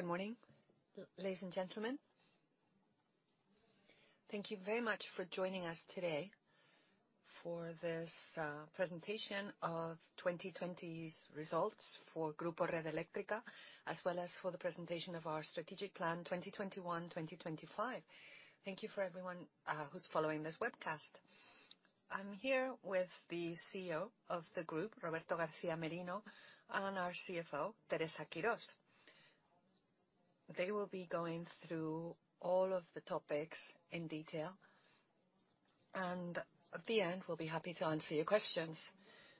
Good morning, ladies and gentlemen. Thank you very much for joining us today for this presentation of 2020's results for Grupo Red Eléctrica, as well as for the presentation of our Strategic Plan 2021-2025. Thank you for everyone who's following this webcast. I'm here with the CEO of the group, Roberto García Merino, and our CFO, Teresa Quirós. They will be going through all of the topics in detail, and at the end, we'll be happy to answer your questions.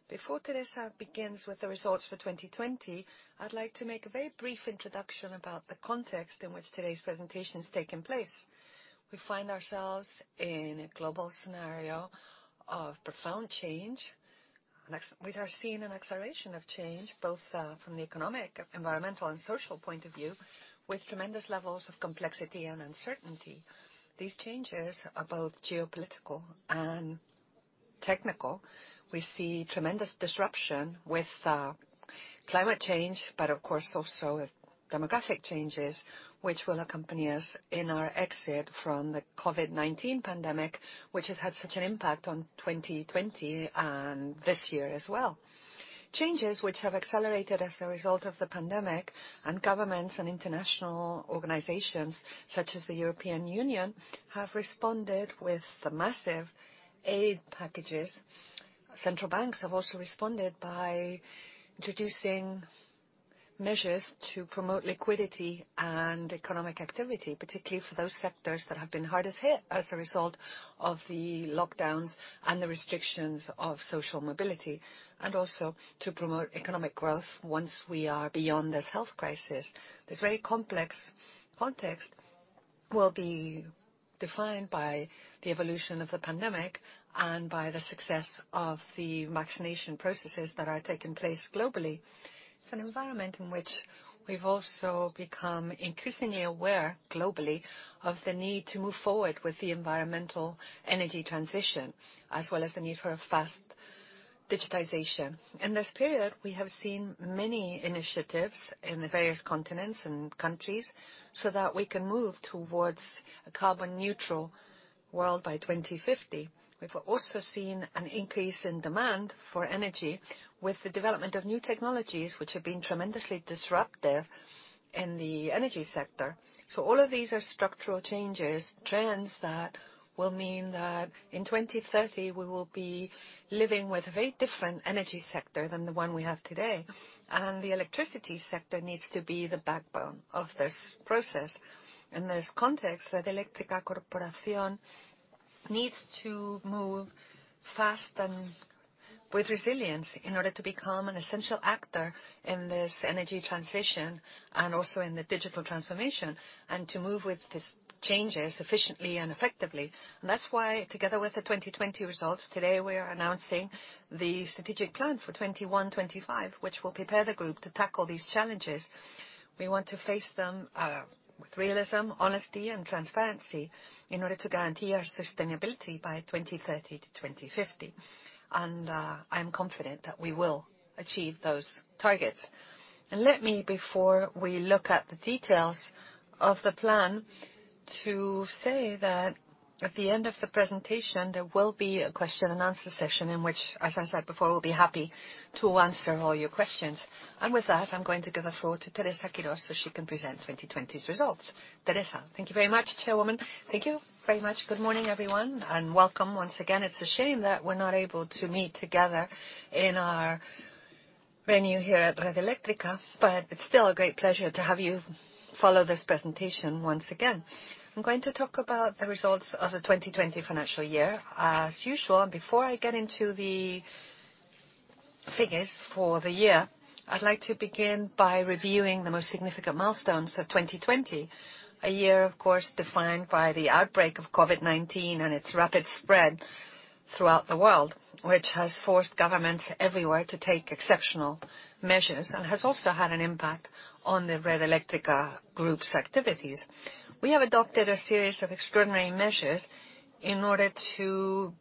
Before Teresa begins with the results for 2020, I'd like to make a very brief introduction about the context in which today's presentation is taking place. We find ourselves in a global scenario of profound change, with our seeing an acceleration of change, both from the economic, environmental, and social point of view, with tremendous levels of complexity and uncertainty. These changes are both geopolitical and technical. We see tremendous disruption with climate change, but of course also with demographic changes, which will accompany us in our exit from the COVID-19 pandemic, which has had such an impact on 2020 and this year as well. Changes which have accelerated as a result of the pandemic, and governments and international organizations such as the European Union have responded with massive aid packages. Central banks have also responded by introducing measures to promote liquidity and economic activity, particularly for those sectors that have been hardest hit as a result of the lockdowns and the restrictions of social mobility, and also to promote economic growth once we are beyond this health crisis. This very complex context will be defined by the evolution of the pandemic and by the success of the vaccination processes that are taking place globally. It's an environment in which we've also become increasingly aware globally of the need to move forward with the environmental energy transition, as well as the need for a fast digitization. In this period, we have seen many initiatives in the various continents and countries so that we can move towards a carbon-neutral world by 2050. We've also seen an increase in demand for energy with the development of new technologies, which have been tremendously disruptive in the energy sector, so all of these are structural changes, trends that will mean that in 2030 we will be living with a very different energy sector than the one we have today, and the electricity sector needs to be the backbone of this process. In this context, the Red Eléctrica Corporación needs to move fast and with resilience in order to become an essential actor in this energy transition and also in the digital transformation, and to move with these changes efficiently and effectively, and that's why, together with the 2020 results, today we are announcing the Strategic Plan for 2021-2025, which will prepare the group to tackle these challenges. We want to face them with realism, honesty, and transparency in order to guarantee our sustainability by 2030-2050. And I'm confident that we will achieve those targets, and let me, before we look at the details of the plan, say that at the end of the presentation there will be a question-and-answer session in which, as I said before, we'll be happy to answer all your questions. And with that, I'm going to give the floor to Teresa Quirós so she can present 2020's results. Teresa, thank you very much, Chairwoman. Thank you very much. Good morning, everyone, and welcome once again. It's a shame that we're not able to meet together in our venue here at Red Eléctrica, but it's still a great pleasure to have you follow this presentation once again. I'm going to talk about the results of the 2020 financial year as usual. And before I get into the figures for the year, I'd like to begin by reviewing the most significant milestones of 2020, a year, of course, defined by the outbreak of COVID-19 and its rapid spread throughout the world, which has forced governments everywhere to take exceptional measures and has also had an impact on the Red Eléctrica Group's activities. We have adopted a series of extraordinary measures in order to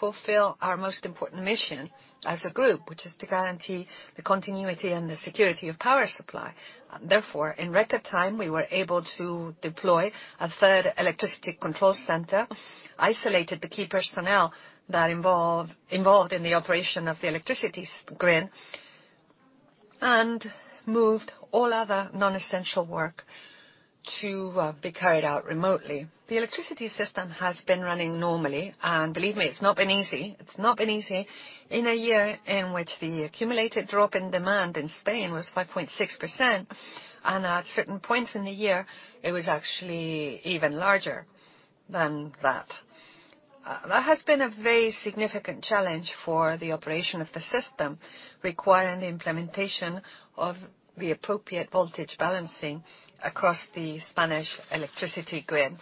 fulfill our most important mission as a group, which is to guarantee the continuity and the security of power supply. Therefore, in record time, we were able to deploy a third electricity control center, isolated the key personnel that involved in the operation of the electricity grid, and moved all other non-essential work to be carried out remotely. The electricity system has been running normally, and believe me, it's not been easy. It's not been easy in a year in which the accumulated drop in demand in Spain was 5.6%, and at certain points in the year, it was actually even larger than that. That has been a very significant challenge for the operation of the system, requiring the implementation of the appropriate voltage balancing across the Spanish electricity grid.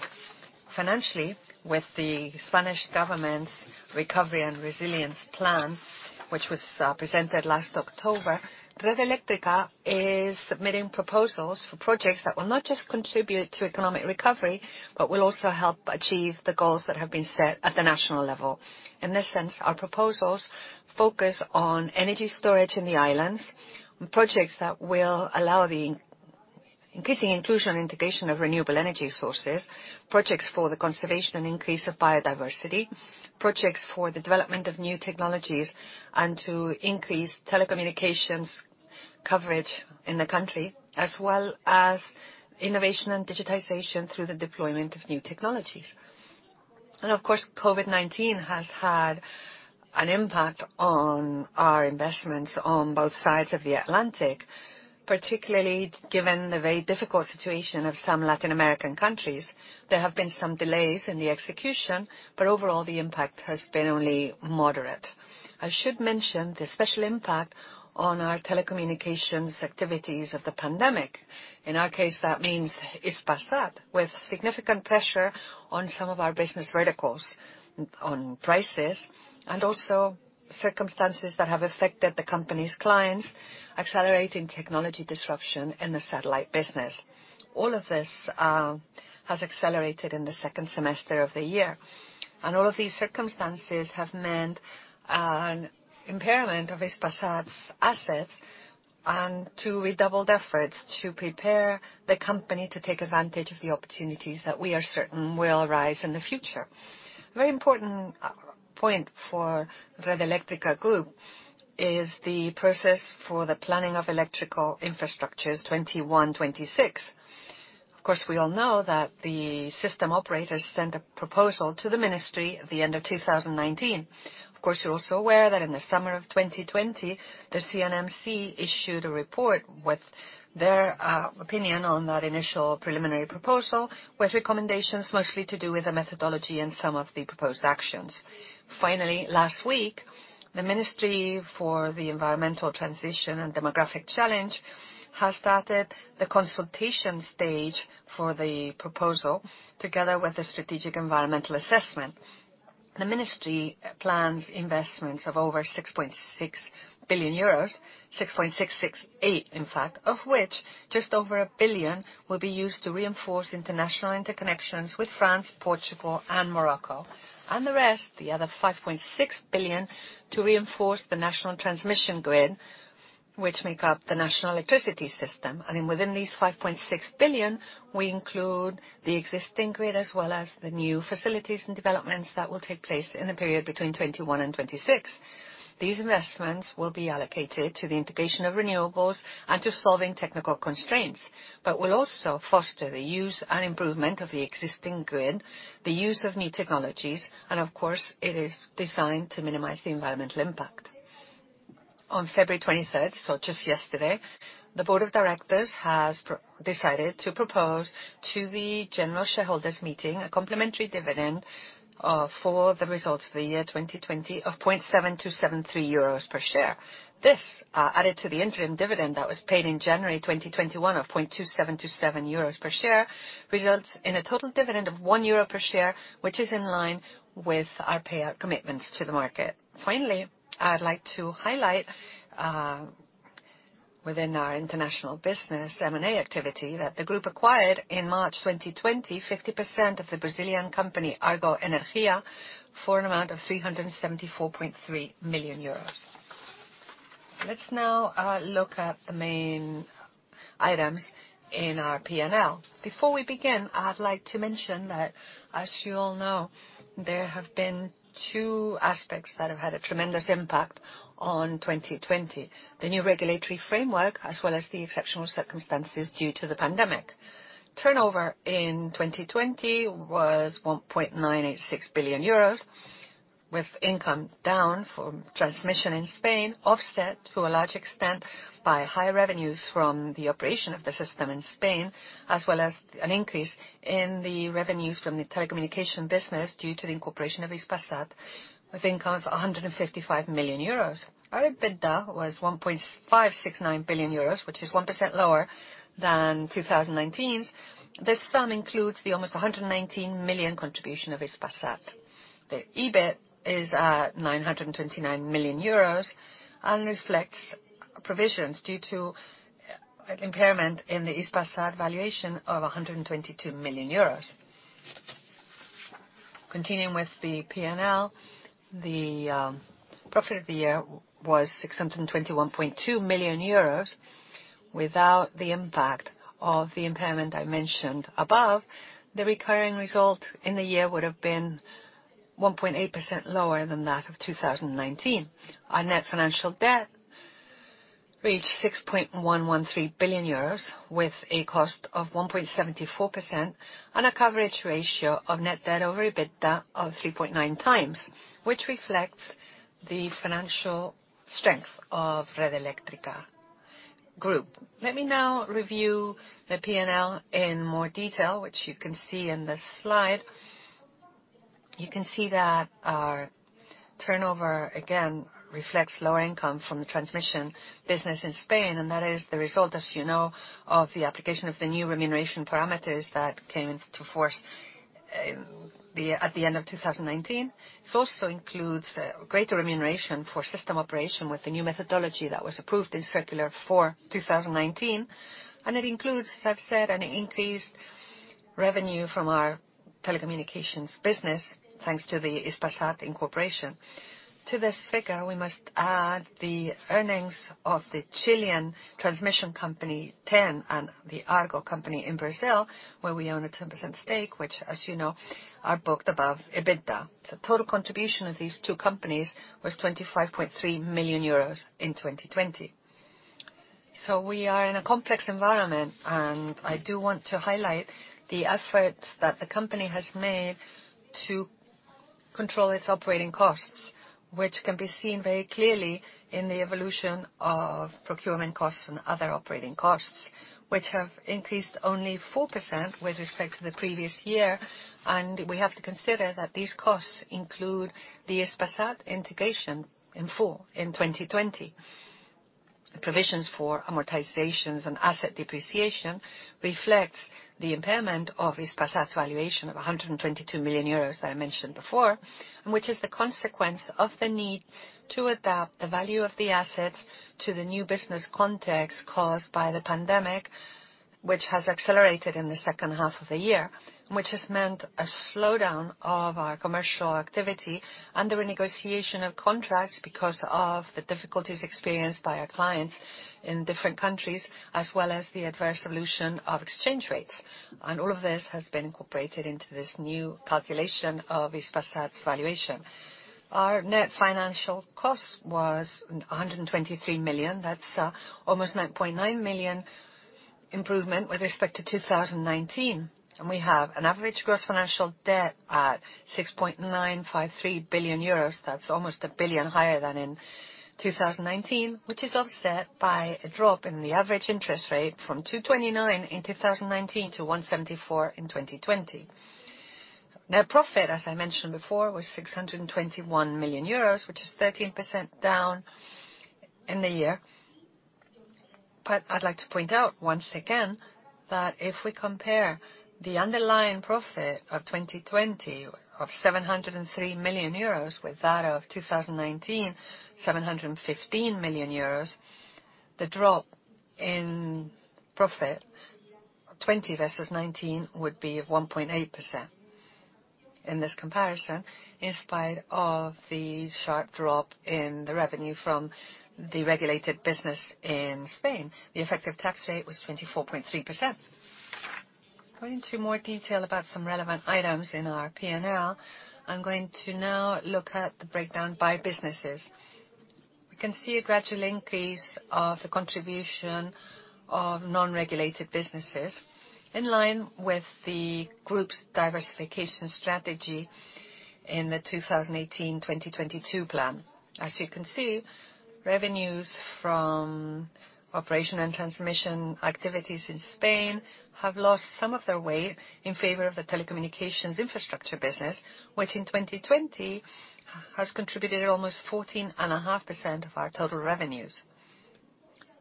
Financially, with the Spanish government's recovery and resilience plan, which was presented last October, Red Eléctrica is submitting proposals for projects that will not just contribute to economic recovery, but will also help achieve the goals that have been set at the national level. In this sense, our proposals focus on energy storage in the islands, projects that will allow the increasing inclusion and integration of renewable energy sources, projects for the conservation and increase of biodiversity, projects for the development of new technologies, and to increase telecommunications coverage in the country, as well as innovation and digitization through the deployment of new technologies, and of course, COVID-19 has had an impact on our investments on both sides of the Atlantic, particularly given the very difficult situation of some Latin American countries. There have been some delays in the execution, but overall, the impact has been only moderate. I should mention the special impact on our telecommunications activities of the pandemic. In our case, that means Hispasat, with significant pressure on some of our business verticals, on prices, and also circumstances that have affected the company's clients, accelerating technology disruption in the satellite business. All of this has accelerated in the second semester of the year, and all of these circumstances have meant an impairment of Hispasat's assets and led to redoubled efforts to prepare the company to take advantage of the opportunities that we are certain will arise in the future. A very important point for the Red Eléctrica group is the process for the planning of electrical infrastructures 2021-2026. Of course, we all know that the system operators sent a proposal to the ministry at the end of 2019. Of course, you're also aware that in the summer of 2020, the CNMC issued a report with their opinion on that initial preliminary proposal, with recommendations mostly to do with the methodology and some of the proposed actions. Finally, last week, the Ministry for the Ecological Transition and the Demographic Challenge has started the consultation stage for the proposal, together with the Strategic Environmental Assessment. The ministry plans investments of over 6.6 billion euros, 6.668 billion in fact, of which just over 1 billion will be used to reinforce international interconnections with France, Portugal, and Morocco, and the rest, the other 5.6 billion, to reinforce the national transmission grid, which makes up the national electricity system, and within these 5.6 billion, we include the existing grid as well as the new facilities and developments that will take place in the period between 2021 and 2026. These investments will be allocated to the integration of renewables and to solving technical constraints, but will also foster the use and improvement of the existing grid, the use of new technologies, and of course, it is designed to minimize the environmental impact. On February 23rd, so just yesterday, the Board of Directors has decided to propose to the general shareholders' meeting a complementary dividend for the results of the year 2020 of 0.7273 euros per share. This, added to the interim dividend that was paid in January 2021 of 0.2727 euros per share, results in a total dividend of 1 euro per share, which is in line with our payout commitments to the market. Finally, I'd like to highlight, within our international business M&A activity, that the group acquired in March 2020 50% of the Brazilian company Argo Energia for an amount of 374.3 million euros. Let's now look at the main items in our P&L. Before we begin, I'd like to mention that, as you all know, there have been two aspects that have had a tremendous impact on 2020: the new regulatory framework, as well as the exceptional circumstances due to the pandemic. Turnover in 2020 was 1.986 billion euros, with income down from transmission in Spain, offset to a large extent by high revenues from the operation of the system in Spain, as well as an increase in the revenues from the telecommunication business due to the incorporation of Hispasat, with income of 155 million euros. Our EBITDA was 1.569 billion euros, which is 1% lower than 2019's. This sum includes the almost 119 million contribution of Hispasat. The EBIT is at 929 million euros and reflects provisions due to impairment in the Hispasat valuation of 122 million euros. Continuing with the P&L, the profit of the year was 621.2 million euros. Without the impact of the impairment I mentioned above, the recurring result in the year would have been 1.8% lower than that of 2019. Our net financial debt reached 6.113 billion euros, with a cost of 1.74% and a coverage ratio of net debt over EBITDA of 3.9 times, which reflects the financial strength of Red Eléctrica group. Let me now review the P&L in more detail, which you can see in this slide. You can see that our turnover again reflects lower income from the transmission business in Spain, and that is the result, as you know, of the application of the new remuneration parameters that came into force at the end of 2019. It also includes greater remuneration for system operation with the new methodology that was approved in circular 4/2019, and it includes, as I've said, an increased revenue from our telecommunications business thanks to the Hispasat incorporation. To this figure, we must add the earnings of the Chilean transmission company TEN and the Argo company in Brazil, where we own a 10% stake, which, as you know, are booked above EBITDA. The total contribution of these two companies was 25.3 million euros in 2020. So we are in a complex environment, and I do want to highlight the efforts that the company has made to control its operating costs, which can be seen very clearly in the evolution of procurement costs and other operating costs, which have increased only 4% with respect to the previous year. We have to consider that these costs include the Hispasat integration in full in 2020. Provisions for amortizations and asset depreciation reflect the impairment of Hispasat's valuation of 122 million euros that I mentioned before, which is the consequence of the need to adapt the value of the assets to the new business context caused by the pandemic, which has accelerated in the second half of the year, which has meant a slowdown of our commercial activity and the renegotiation of contracts because of the difficulties experienced by our clients in different countries, as well as the adverse evolution of exchange rates. All of this has been incorporated into this new calculation of Hispasat's valuation. Our net financial cost was 123 million. That's almost 9.9 million improvement with respect to 2019. We have an average gross financial debt at 6.953 billion euros. That's almost 1 billion higher than in 2019, which is offset by a drop in the average interest rate from 229 in 2019 to 174 in 2020. Net profit, as I mentioned before, was 621 million euros, which is 13% down in the year. But I'd like to point out once again that if we compare the underlying profit of 2020 of 703 million euros with that of 2019, 715 million euros, the drop in profit 20 versus 19 would be 1.8% in this comparison in spite of the sharp drop in the revenue from the regulated business in Spain. The effective tax rate was 24.3%. Going into more detail about some relevant items in our P&L, I'm going to now look at the breakdown by businesses. We can see a gradual increase of the contribution of non-regulated businesses in line with the group's diversification strategy in the 2018-2022 plan. As you can see, revenues from operation and transmission activities in Spain have lost some of their weight in favor of the telecommunications infrastructure business, which in 2020 has contributed almost 14.5% of our total revenues.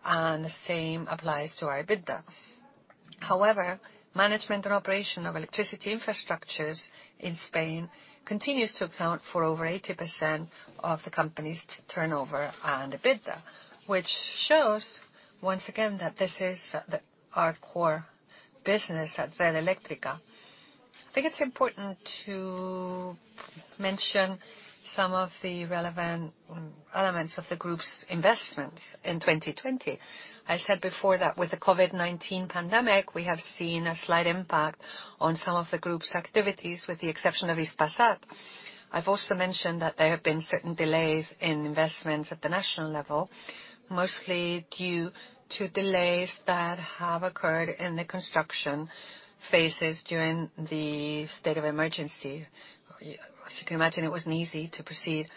And the same applies to our EBITDA. However, management and operation of electricity infrastructures in Spain continues to account for over 80% of the company's turnover and EBITDA, which shows once again that this is our core business at Red Eléctrica. I think it's important to mention some of the relevant elements of the group's investments in 2020. I said before that with the COVID-19 pandemic, we have seen a slight impact on some of the group's activities, with the exception of Hispasat. I've also mentioned that there have been certain delays in investments at the national level, mostly due to delays that have occurred in the construction phases during the state of emergency. As you can imagine, it wasn't easy to proceed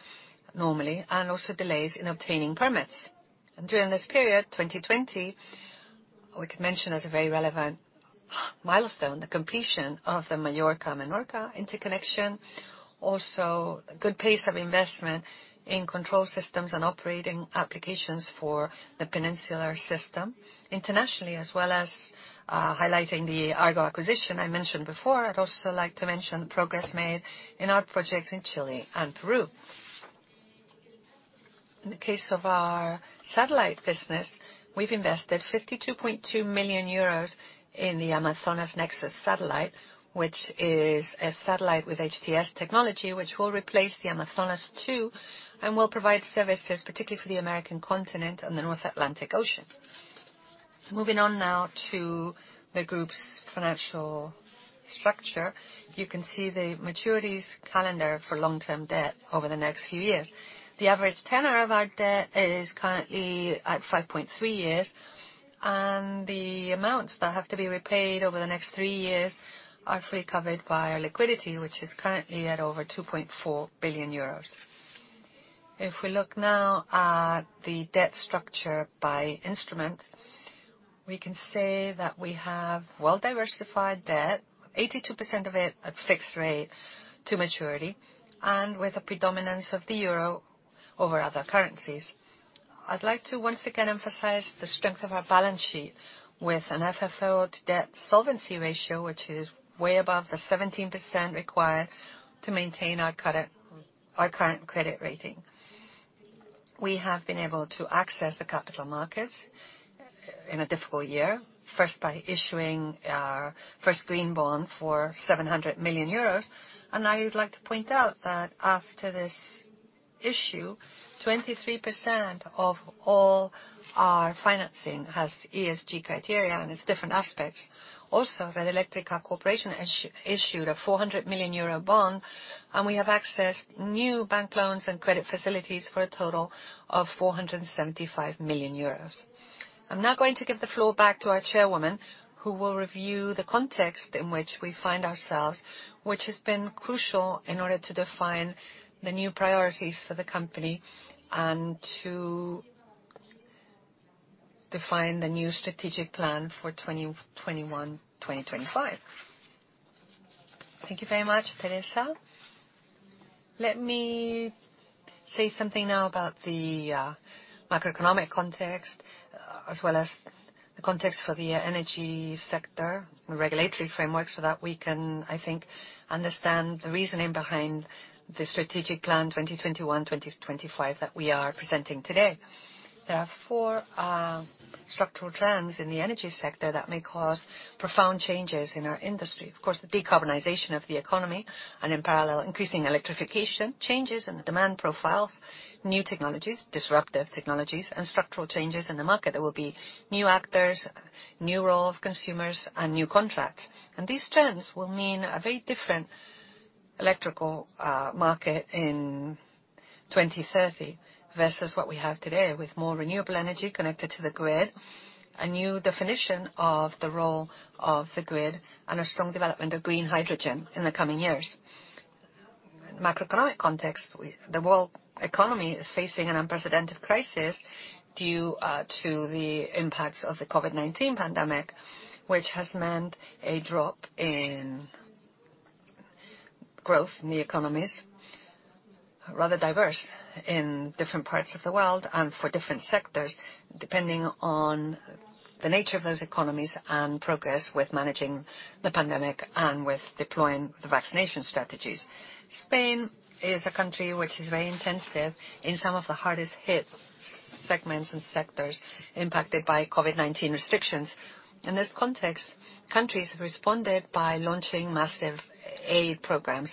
normally, and also delays in obtaining permits, and during this period, 2020, we could mention as a very relevant milestone the completion of the Mallorca-Menorca interconnection, also a good pace of investment in control systems and operating applications for the peninsular system internationally, as well as highlighting the Argo acquisition I mentioned before. I'd also like to mention the progress made in our projects in Chile and Peru. In the case of our satellite business, we've invested 52.2 million euros in the Amazonas Nexus satellite, which is a satellite with HTS technology, which will replace the Amazonas 2 and will provide services, particularly for the American continent and the North Atlantic Ocean. Moving on now to the group's financial structure, you can see the maturities calendar for long-term debt over the next few years. The average tenor of our debt is currently at 5.3 years, and the amounts that have to be repaid over the next three years are fully covered by our liquidity, which is currently at over 2.4 billion euros. If we look now at the debt structure by instruments, we can say that we have well-diversified debt, 82% of it at fixed rate to maturity, and with a predominance of the euro over other currencies. I'd like to once again emphasize the strength of our balance sheet with an FFO debt solvency ratio, which is way above the 17% required to maintain our current credit rating. We have been able to access the capital markets in a difficult year, first by issuing our first green bond for 700 million euros. I would like to point out that after this issue, 23% of all our financing has ESG criteria and its different aspects. Also, Red Eléctrica Corporación issued a 400 million euro bond, and we have accessed new bank loans and credit facilities for a total of 475 million euros. I'm now going to give the floor back to our chairwoman, who will review the context in which we find ourselves, which has been crucial in order to define the new priorities for the company and to define the new strategic plan for 2021-2025. Thank you very much, Teresa. Let me say something now about the macroeconomic context, as well as the context for the energy sector and regulatory framework, so that we can, I think, understand the reasoning behind the strategic plan 2021-2025 that we are presenting today. There are four structural trends in the energy sector that may cause profound changes in our industry. Of course, the decarbonization of the economy and, in parallel, increasing electrification changes in the demand profiles, new technologies, disruptive technologies, and structural changes in the market. There will be new actors, new role of consumers, and new contracts, and these trends will mean a very different electrical market in 2030 versus what we have today, with more renewable energy connected to the grid, a new definition of the role of the grid, and a strong development of green hydrogen in the coming years. In the macroeconomic context, the world economy is facing an unprecedented crisis due to the impacts of the COVID-19 pandemic, which has meant a drop in growth in the economies, rather diverse in different parts of the world and for different sectors, depending on the nature of those economies and progress with managing the pandemic and with deploying the vaccination strategies. Spain is a country which is very intensive in some of the hardest-hit segments and sectors impacted by COVID-19 restrictions. In this context, countries have responded by launching massive aid programs.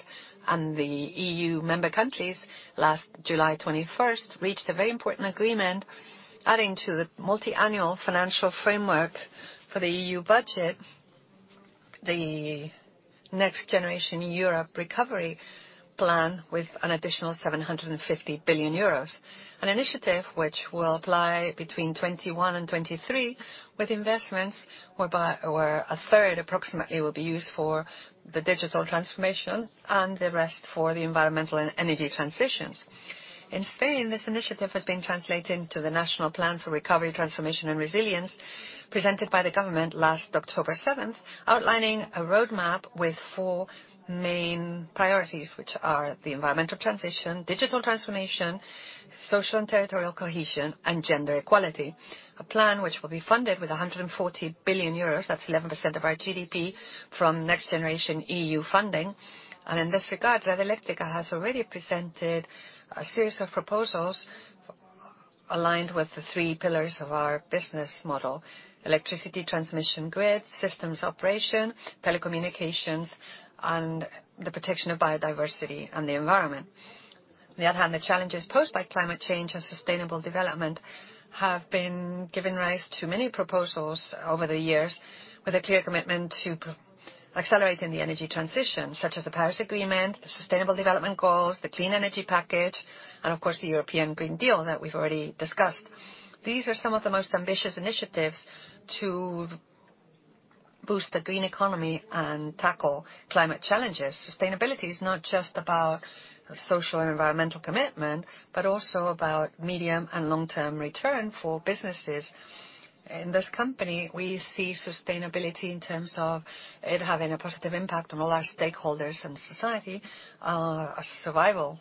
And the EU member countries, last July 21st, reached a very important agreement, adding to the multi-annual financial framework for the EU budget, the Next Generation EU Recovery Plan, with an additional 750 billion euros. An initiative which will apply between 2021 and 2023, with investments where a third approximately will be used for the digital transformation and the rest for the environmental and energy transitions. In Spain, this initiative has been translated into the National Plan for Recovery, Transformation, and Resilience, presented by the government last October 7th, outlining a roadmap with four main priorities, which are the environmental transition, digital transformation, social and territorial cohesion, and gender equality. A plan which will be funded with 140 billion euros. That's 11% of our GDP from Next Generation EU funding. In this regard, Red Eléctrica has already presented a series of proposals aligned with the three pillars of our business model: electricity, transmission, grid, systems operation, telecommunications, and the protection of biodiversity and the environment. On the other hand, the challenges posed by climate change and sustainable development have been giving rise to many proposals over the years, with a clear commitment to accelerating the energy transition, such as the Paris Agreement, the Sustainable Development Goals, the Clean Energy Package, and, of course, the European Green Deal that we've already discussed. These are some of the most ambitious initiatives to boost the green economy and tackle climate challenges. Sustainability is not just about social and environmental commitment, but also about medium and long-term return for businesses. In this company, we see sustainability in terms of it having a positive impact on all our stakeholders and society as a survival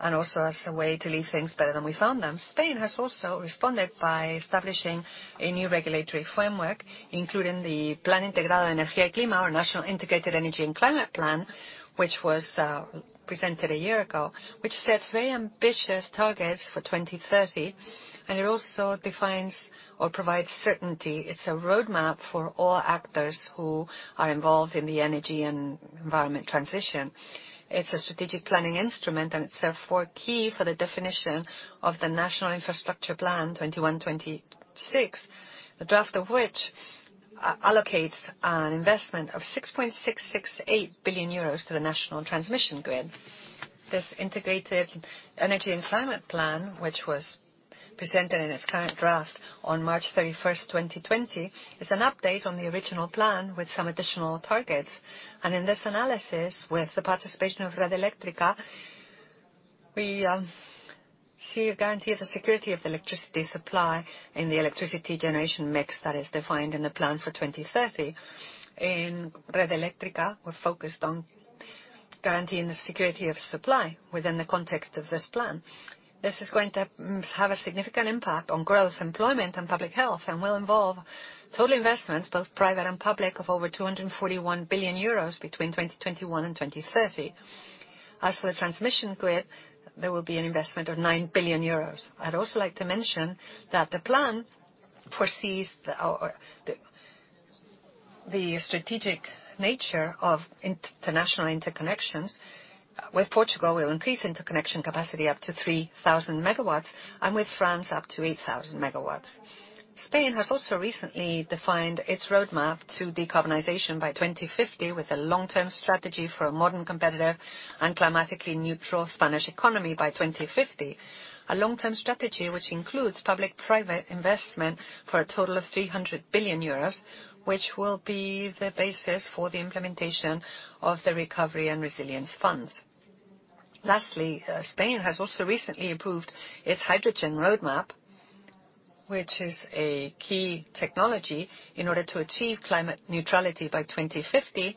and also as a way to leave things better than we found them. Spain has also responded by establishing a new regulatory framework, including the Plan Integrado de Energía y Clima, or National Integrated Energy and Climate Plan, which was presented a year ago, which sets very ambitious targets for 2030, and it also defines or provides certainty. It's a roadmap for all actors who are involved in the energy and environment transition. It's a strategic planning instrument, and it's therefore key for the definition of the National Infrastructure Plan 21-26, the draft of which allocates an investment of 6.668 billion euros to the national transmission grid. This Integrated Energy and Climate Plan, which was presented in its current draft on March 31st, 2020, is an update on the original plan with some additional targets. In this analysis, with the participation of Red Eléctrica, we see a guarantee of the security of the electricity supply in the electricity generation mix that is defined in the plan for 2030. In Red Eléctrica, we're focused on guaranteeing the security of supply within the context of this plan. This is going to have a significant impact on growth, employment, and public health, and will involve total investments, both private and public, of over 241 billion euros between 2021 and 2030. As for the transmission grid, there will be an investment of 9 billion euros. I'd also like to mention that the plan foresees the strategic nature of international interconnections. With Portugal, we'll increase interconnection capacity up to 3,000 MW, and with France, up to 8,000 MW. Spain has also recently defined its roadmap to decarbonization by 2050, with a long-term strategy for a modern, competitive, and climatically neutral Spanish economy by 2050. A long-term strategy which includes public-private investment for a total of 300 billion euros, which will be the basis for the implementation of the Recovery and Resilience Funds. Lastly, Spain has also recently approved its hydrogen roadmap, which is a key technology in order to achieve climate neutrality by 2050.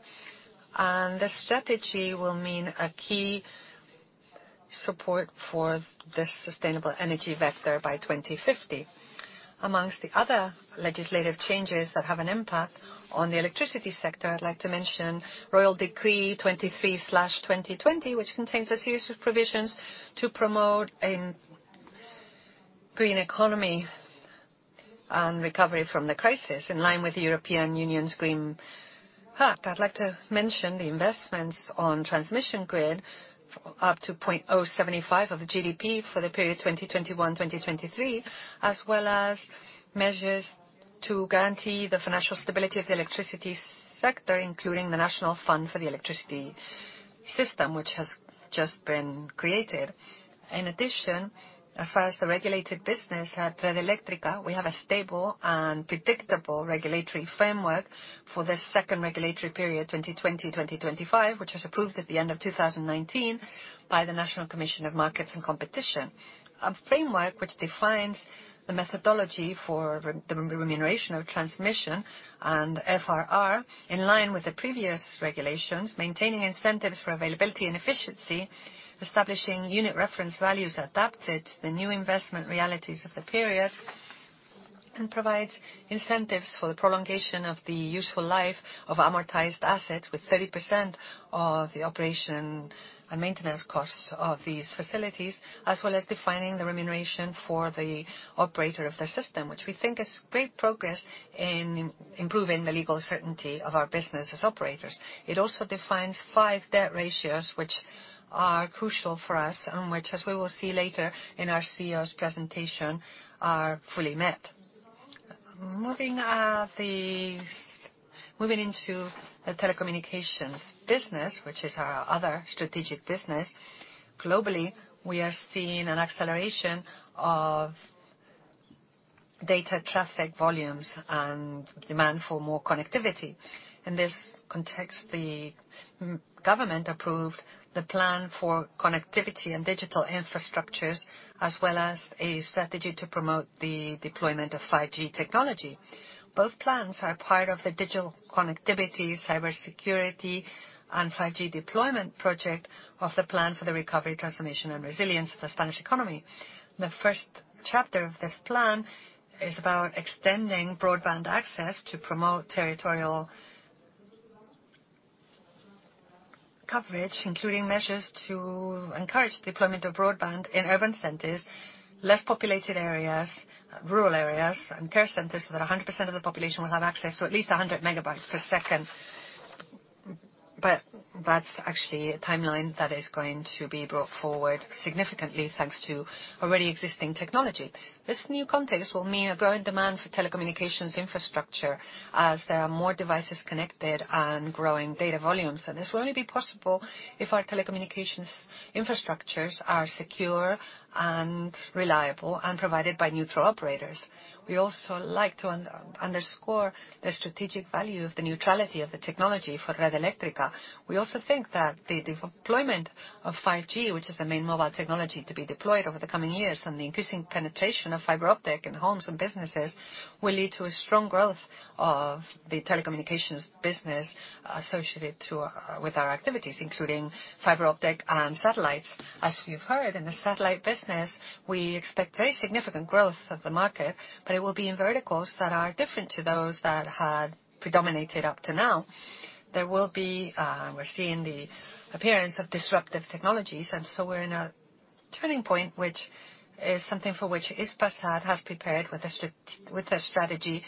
This strategy will mean a key support for the sustainable energy vector by 2050. Among the other legislative changes that have an impact on the electricity sector, I'd like to mention Royal Decree 23/2020, which contains a series of provisions to promote a green economy and recovery from the crisis, in line with the European Union's Green Deal. I'd like to mention the investments on transmission grid, up to 0.075% of the GDP for the period 2021-2023, as well as measures to guarantee the financial stability of the electricity sector, including the National Fund for the Electricity System, which has just been created. In addition, as far as the regulated business at Red Eléctrica, we have a stable and predictable regulatory framework for the second regulatory period, 2020-2025, which was approved at the end of 2019 by the National Commission for Markets and Competition. A framework which defines the methodology for the remuneration of transmission and FRR, in line with the previous regulations, maintaining incentives for availability and efficiency, establishing unit reference values adapted to the new investment realities of the period, and provides incentives for the prolongation of the useful life of amortized assets, with 30% of the operation and maintenance costs of these facilities, as well as defining the remuneration for the operator of the system, which we think is great progress in improving the legal certainty of our business as operators. It also defines five debt ratios, which are crucial for us, and which, as we will see later in our CEO's presentation, are fully met. Moving into the telecommunications business, which is our other strategic business, globally, we are seeing an acceleration of data traffic volumes and demand for more connectivity. In this context, the government approved the plan for connectivity and digital infrastructures, as well as a strategy to promote the deployment of 5G technology. Both plans are part of the digital connectivity, cybersecurity, and 5G deployment project of the plan for the recovery, transformation, and resilience of the Spanish economy. The first chapter of this plan is about extending broadband access to promote territorial coverage, including measures to encourage deployment of broadband in urban centers, less populated areas, rural areas, and care centers, so that 100% of the population will have access to at least 100 MB per second. But that's actually a timeline that is going to be brought forward significantly, thanks to already existing technology. This new context will mean a growing demand for telecommunications infrastructure, as there are more devices connected and growing data volumes. This will only be possible if our telecommunications infrastructures are secure and reliable and provided by neutral operators. We also like to underscore the strategic value of the neutrality of the technology for Red Eléctrica. We also think that the deployment of 5G, which is the main mobile technology to be deployed over the coming years, and the increasing penetration of fiber optic in homes and businesses will lead to a strong growth of the telecommunications business associated with our activities, including fiber optic and satellites. As you've heard, in the satellite business, we expect very significant growth of the market, but it will be in verticals that are different to those that had predominated up to now. There will be. We're seeing the appearance of disruptive technologies, and so we're in a turning point, which is something for which Hispasat has prepared with a strategy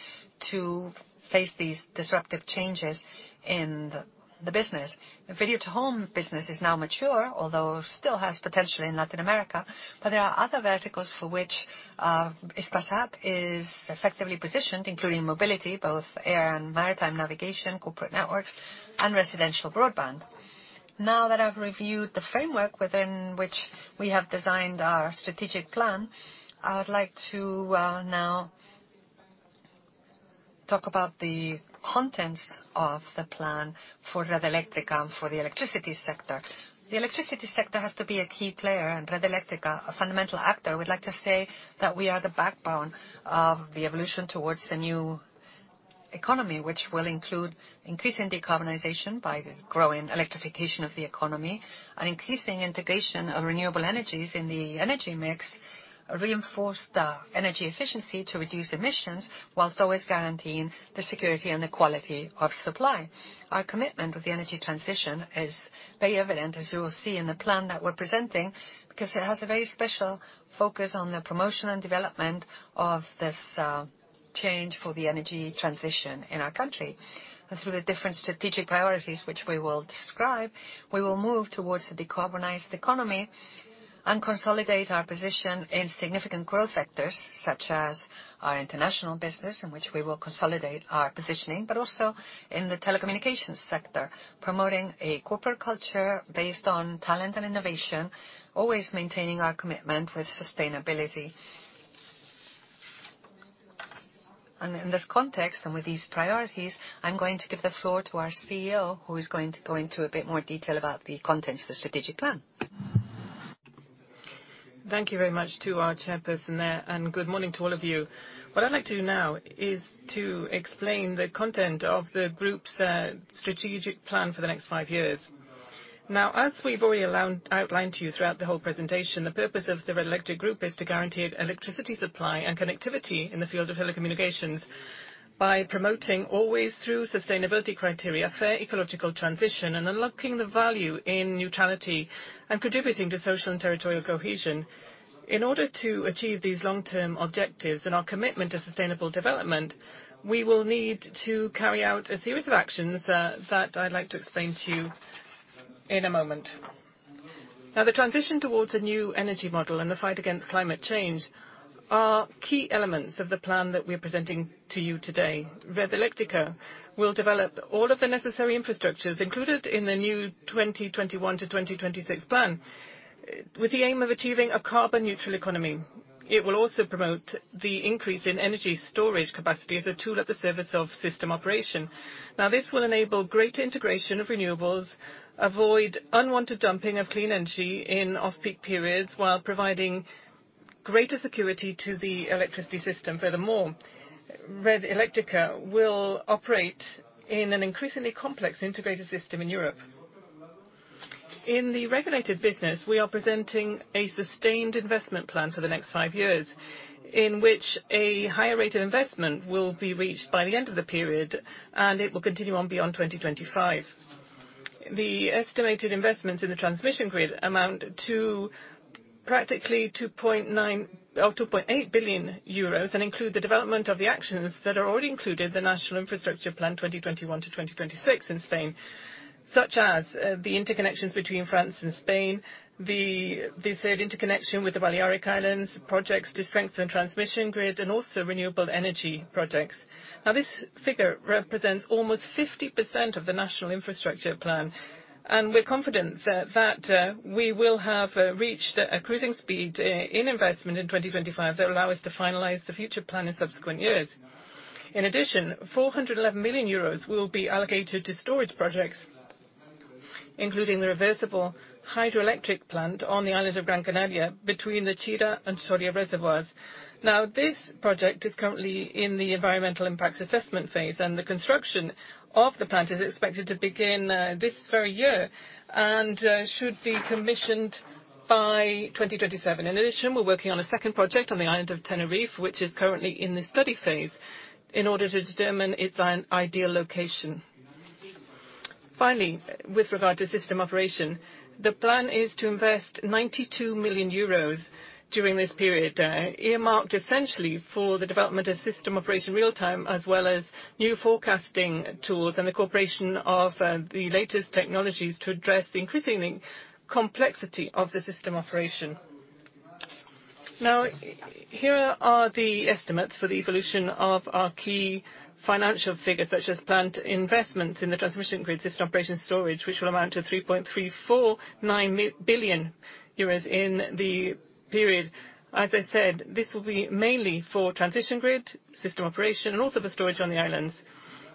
to face these disruptive changes in the business. The video to home business is now mature, although still has potential in Latin America. But there are other verticals for which Hispasat is effectively positioned, including mobility, both air and maritime navigation, corporate networks, and residential broadband. Now that I've reviewed the framework within which we have designed our strategic plan, I would like to now talk about the contents of the plan for Red Eléctrica and for the electricity sector. The electricity sector has to be a key player and Red Eléctrica, a fundamental actor. We'd like to say that we are the backbone of the evolution towards the new economy, which will include increasing decarbonization by growing electrification of the economy and increasing integration of renewable energies in the energy mix, reinforced energy efficiency to reduce emissions, while always guaranteeing the security and the quality of supply. Our commitment with the energy transition is very evident, as you will see in the plan that we're presenting, because it has a very special focus on the promotion and development of this change for the energy transition in our country. And through the different strategic priorities, which we will describe, we will move towards a decarbonized economy and consolidate our position in significant growth vectors, such as our international business, in which we will consolidate our positioning, but also in the telecommunications sector, promoting a corporate culture based on talent and innovation, always maintaining our commitment with sustainability. And in this context and with these priorities, I'm going to give the floor to our CEO, who is going to go into a bit more detail about the contents of the strategic plan. Thank you very much to our chairperson there, and good morning to all of you. What I'd like to do now is to explain the content of the group's strategic plan for the next five years. Now, as we've already outlined to you throughout the whole presentation, the purpose of the Red Eléctrica group is to guarantee electricity supply and connectivity in the field of telecommunications by promoting, always through sustainability criteria, fair ecological transition and unlocking the value in neutrality and contributing to social and territorial cohesion. In order to achieve these long-term objectives and our commitment to sustainable development, we will need to carry out a series of actions that I'd like to explain to you in a moment. Now, the transition towards a new energy model and the fight against climate change are key elements of the plan that we are presenting to you today. Red Eléctrica will develop all of the necessary infrastructures included in the new 2021-2026 plan, with the aim of achieving a carbon-neutral economy. It will also promote the increase in energy storage capacity as a tool at the service of system operation. Now, this will enable greater integration of renewables, avoid unwanted dumping of clean energy in off-peak periods, while providing greater security to the electricity system. Furthermore, Red Eléctrica will operate in an increasingly complex integrated system in Europe. In the regulated business, we are presenting a sustained investment plan for the next five years, in which a higher rate of investment will be reached by the end of the period, and it will continue on beyond 2025. The estimated investments in the transmission grid amount to practically 2.8 billion euros and include the development of the actions that are already included in the National Infrastructure Plan 2021 to 2026 in Spain, such as the interconnections between France and Spain, the third interconnection with the Balearic Islands, projects to strengthen the transmission grid, and also renewable energy projects. Now, this figure represents almost 50% of the National Infrastructure Plan, and we're confident that we will have reached a cruising speed in investment in 2025 that will allow us to finalize the future plan in subsequent years. In addition, 411 million euros will be allocated to storage projects, including the reversible hydroelectric plant on the island of Gran Canaria between the Chira and Soria reservoirs. Now, this project is currently in the environmental impacts assessment phase, and the construction of the plant is expected to begin this very year and should be commissioned by 2027. In addition, we're working on a second project on the island of Tenerife, which is currently in the study phase, in order to determine its ideal location. Finally, with regard to system operation, the plan is to invest 92 million euros during this period, earmarked essentially for the development of system operation real-time, as well as new forecasting tools and the cooperation of the latest technologies to address the increasing complexity of the system operation. Now, here are the estimates for the evolution of our key financial figures, such as planned investments in the transmission grid, system operation, and storage, which will amount to 3.349 billion euros in the period. As I said, this will be mainly for transmission grid, system operation, and also for storage on the islands.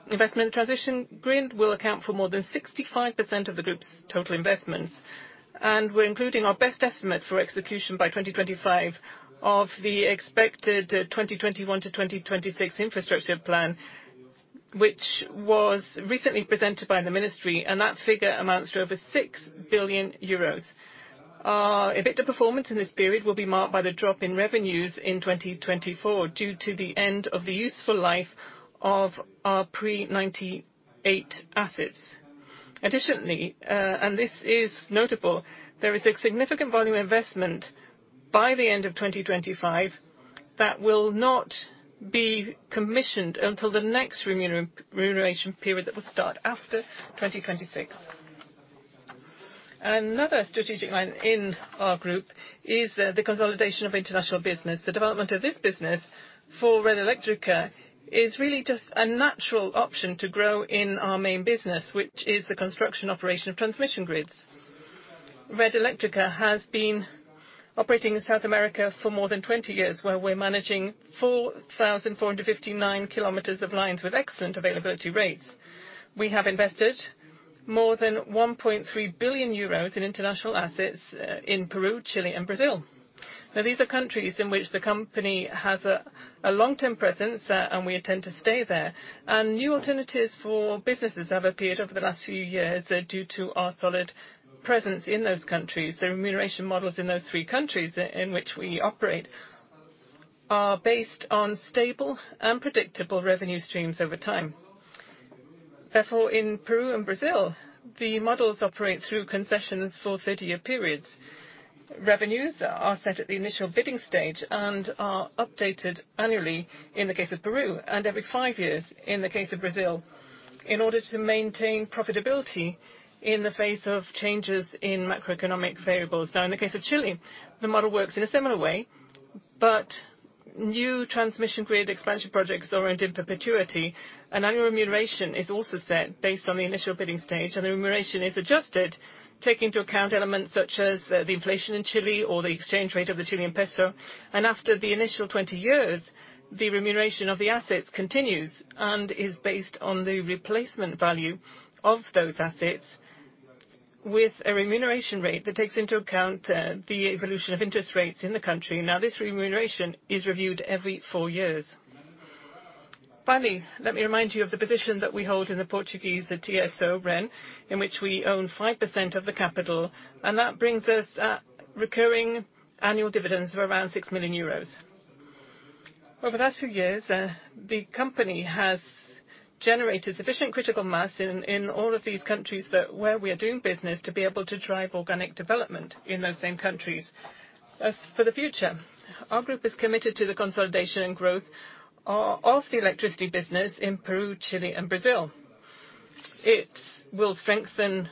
Investment in the transmission grid will account for more than 65% of the group's total investments. And we're including our best estimate for execution by 2025 of the expected 2021 to 2026 infrastructure plan, which was recently presented by the ministry, and that figure amounts to over 6 billion euros. Our effective performance in this period will be marked by the drop in revenues in 2024 due to the end of the useful life of our Pre-98 assets. Additionally, and this is notable, there is a significant volume investment by the end of 2025 that will not be commissioned until the next remuneration period that will start after 2026. Another strategic line in our group is the consolidation of international business. The development of this business for Red Eléctrica is really just a natural option to grow in our main business, which is the construction operation of transmission grids. Red Eléctrica has been operating in South America for more than 20 years, where we're managing 4,459 kilometers of lines with excellent availability rates. We have invested more than 1.3 billion euros in international assets in Peru, Chile, and Brazil. Now, these are countries in which the company has a long-term presence, and we intend to stay there, and new alternatives for businesses have appeared over the last few years due to our solid presence in those countries. The remuneration models in those three countries in which we operate are based on stable and predictable revenue streams over time. Therefore, in Peru and Brazil, the models operate through concessions for 30-year periods. Revenues are set at the initial bidding stage and are updated annually in the case of Peru and every five years in the case of Brazil, in order to maintain profitability in the face of changes in macroeconomic variables. Now, in the case of Chile, the model works in a similar way, but new transmission grid expansion projects are in perpetuity. An annual remuneration is also set based on the initial bidding stage, and the remuneration is adjusted, taking into account elements such as the inflation in Chile or the exchange rate of the Chilean peso, and after the initial 20 years, the remuneration of the assets continues and is based on the replacement value of those assets, with a remuneration rate that takes into account the evolution of interest rates in the country. Now, this remuneration is reviewed every four years. Finally, let me remind you of the position that we hold in the Portuguese TSO, REN, in which we own 5% of the capital, and that brings us recurring annual dividends of around 6 million euros. Over the last few years, the company has generated sufficient critical mass in all of these countries where we are doing business to be able to drive organic development in those same countries. As for the future, our group is committed to the consolidation and growth of the electricity business in Peru, Chile, and Brazil. It will strengthen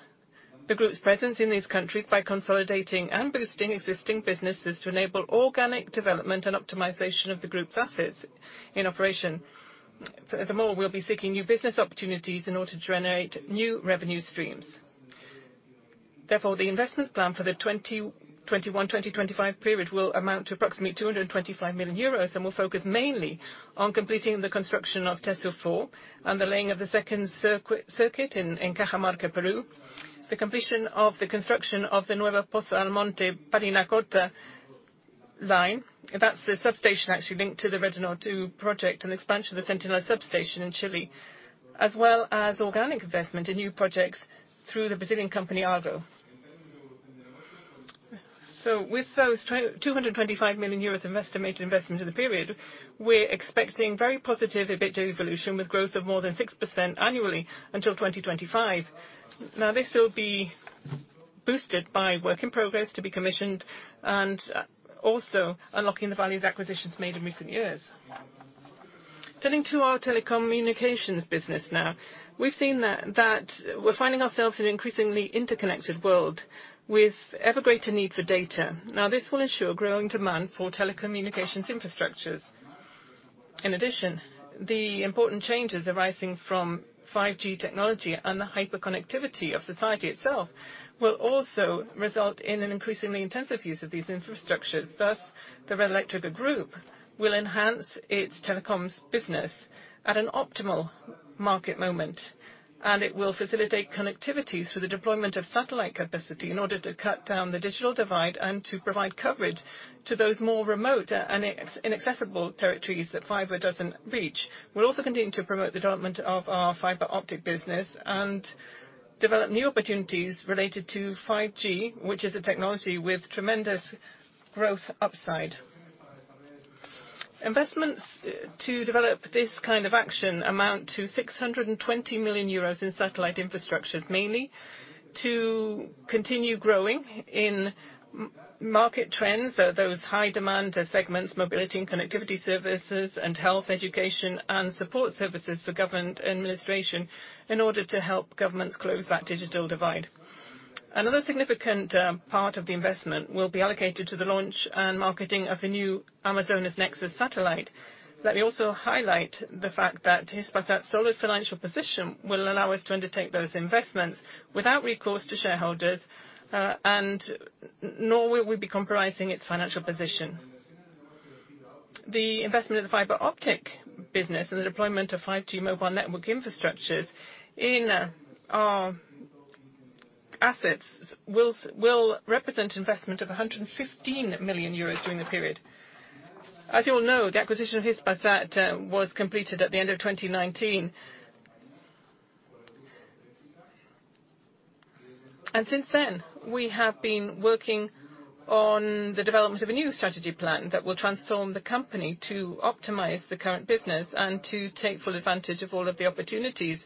the group's presence in these countries by consolidating and boosting existing businesses to enable organic development and optimization of the group's assets in operation. Furthermore, we'll be seeking new business opportunities in order to generate new revenue streams. Therefore, the investment plan for the 2021-2025 period will amount to approximately 225 million euros and will focus mainly on completing the construction of Tesur 4 and the laying of the second circuit in Cajamarca, Peru, the completion of the construction of the Nueva Pozo Almonte-Parinacota line. That's the substation actually linked to the Redenor project and the expansion of the Sentinel substation in Chile, as well as organic investment in new projects through the Brazilian company Argo. With those 225 million euros of estimated investment in the period, we're expecting very positive evolution with growth of more than 6% annually until 2025. Now, this will be boosted by work in progress to be commissioned and also unlocking the value of acquisitions made in recent years. Turning to our telecommunications business now, we've seen that we're finding ourselves in an increasingly interconnected world with ever greater need for data. Now, this will ensure growing demand for telecommunications infrastructures. In addition, the important changes arising from 5G technology and the hyperconnectivity of society itself will also result in an increasingly intensive use of these infrastructures. Thus, the Red Eléctrica group will enhance its telecoms business at an optimal market moment, and it will facilitate connectivity through the deployment of satellite capacity in order to cut down the digital divide and to provide coverage to those more remote and inaccessible territories that fiber doesn't reach. We'll also continue to promote the development of our fiber optic business and develop new opportunities related to 5G, which is a technology with tremendous growth upside. Investments to develop this kind of action amount to 620 million euros in satellite infrastructure, mainly to continue growing in market trends, those high-demand segments, mobility and connectivity services, and health, education, and support services for government administration in order to help governments close that digital divide. Another significant part of the investment will be allocated to the launch and marketing of a new Amazonas Nexus satellite. Let me also highlight the fact that Hispasat's solid financial position will allow us to undertake those investments without recourse to shareholders, and nor will we be compromising its financial position. The investment in the fiber optic business and the deployment of 5G mobile network infrastructures in our assets will represent an investment of 115 million euros during the period. As you all know, the acquisition of Hispasat was completed at the end of 2019. Since then, we have been working on the development of a new strategy plan that will transform the company to optimize the current business and to take full advantage of all of the opportunities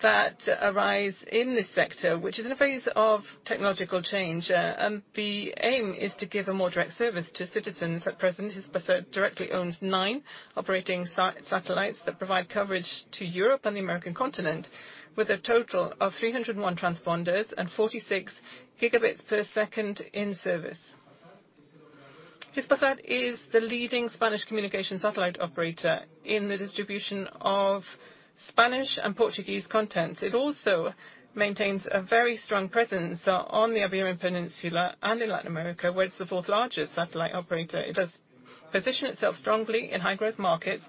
that arise in this sector, which is in a phase of technological change. The aim is to give a more direct service to citizens. At present, Hispasat directly owns nine operating satellites that provide coverage to Europe and the American continent, with a total of 301 transponders and 46 Mbps in service. Hispasat is the leading Spanish communication satellite operator in the distribution of Spanish and Portuguese content. It also maintains a very strong presence on the Iberian Peninsula and in Latin America, where it's the fourth largest satellite operator. It does position itself strongly in high-growth markets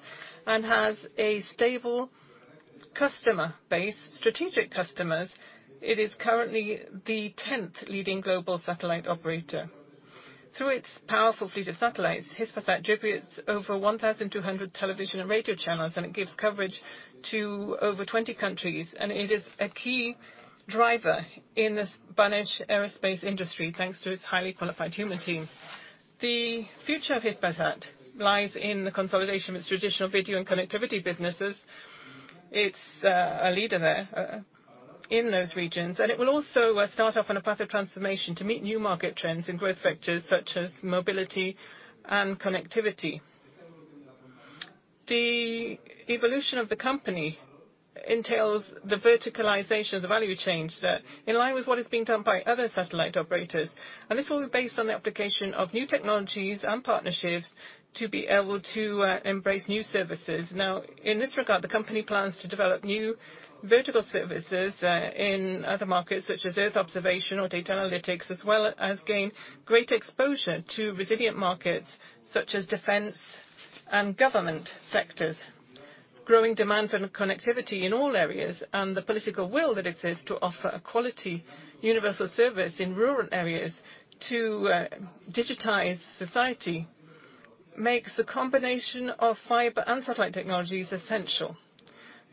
and has a stable customer base, strategic customers. It is currently the 10th leading global satellite operator. Through its powerful fleet of satellites, Hispasat distributes over 1,200 television and radio channels, and it gives coverage to over 20 countries, and it is a key driver in the Spanish aerospace industry, thanks to its highly qualified human team. The future of Hispasat lies in the consolidation of its traditional video and connectivity businesses. It's a leader there in those regions, and it will also start off on a path of transformation to meet new market trends in growth vectors such as mobility and connectivity. The evolution of the company entails the verticalization of the value chain in line with what is being done by other satellite operators, and this will be based on the application of new technologies and partnerships to be able to embrace new services. Now, in this regard, the company plans to develop new vertical services in other markets such as earth observation or data analytics, as well as gain greater exposure to resilient markets such as defense and government sectors. Growing demand for connectivity in all areas and the political will that exists to offer a quality universal service in rural areas to digitize society makes the combination of fiber and satellite technologies essential.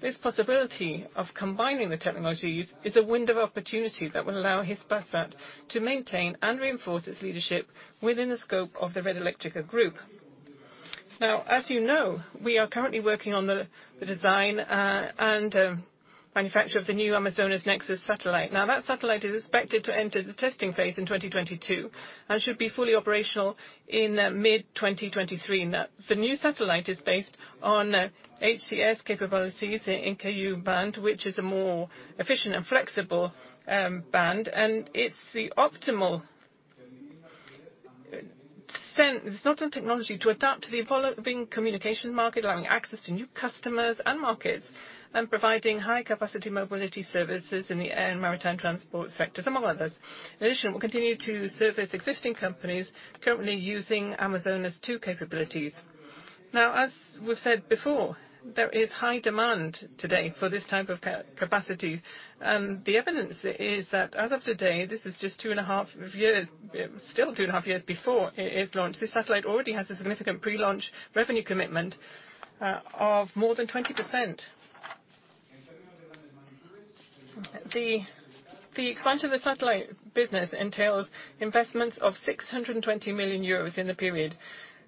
This possibility of combining the technologies is a window of opportunity that will allow Hispasat to maintain and reinforce its leadership within the scope of the Red Eléctrica group. Now, as you know, we are currently working on the design and manufacture of the new Amazonas Nexus satellite. Now, that satellite is expected to enter the testing phase in 2022 and should be fully operational in mid-2023. The new satellite is based on HTS capabilities in Ku band, which is a more efficient and flexible band, and it's the optimal technology to adapt to the evolving communication market, allowing access to new customers and markets, and providing high-capacity mobility services in the air and maritime transport sector, among others. In addition, it will continue to service existing companies currently using Amazonas 2 capabilities. Now, as we've said before, there is high demand today for this type of capacity, and the evidence is that as of today, this is just two and a half years, still two and a half years before it is launched. This satellite already has a significant pre-launch revenue commitment of more than 20%. The expansion of the satellite business entails investments of 620 million euros in the period.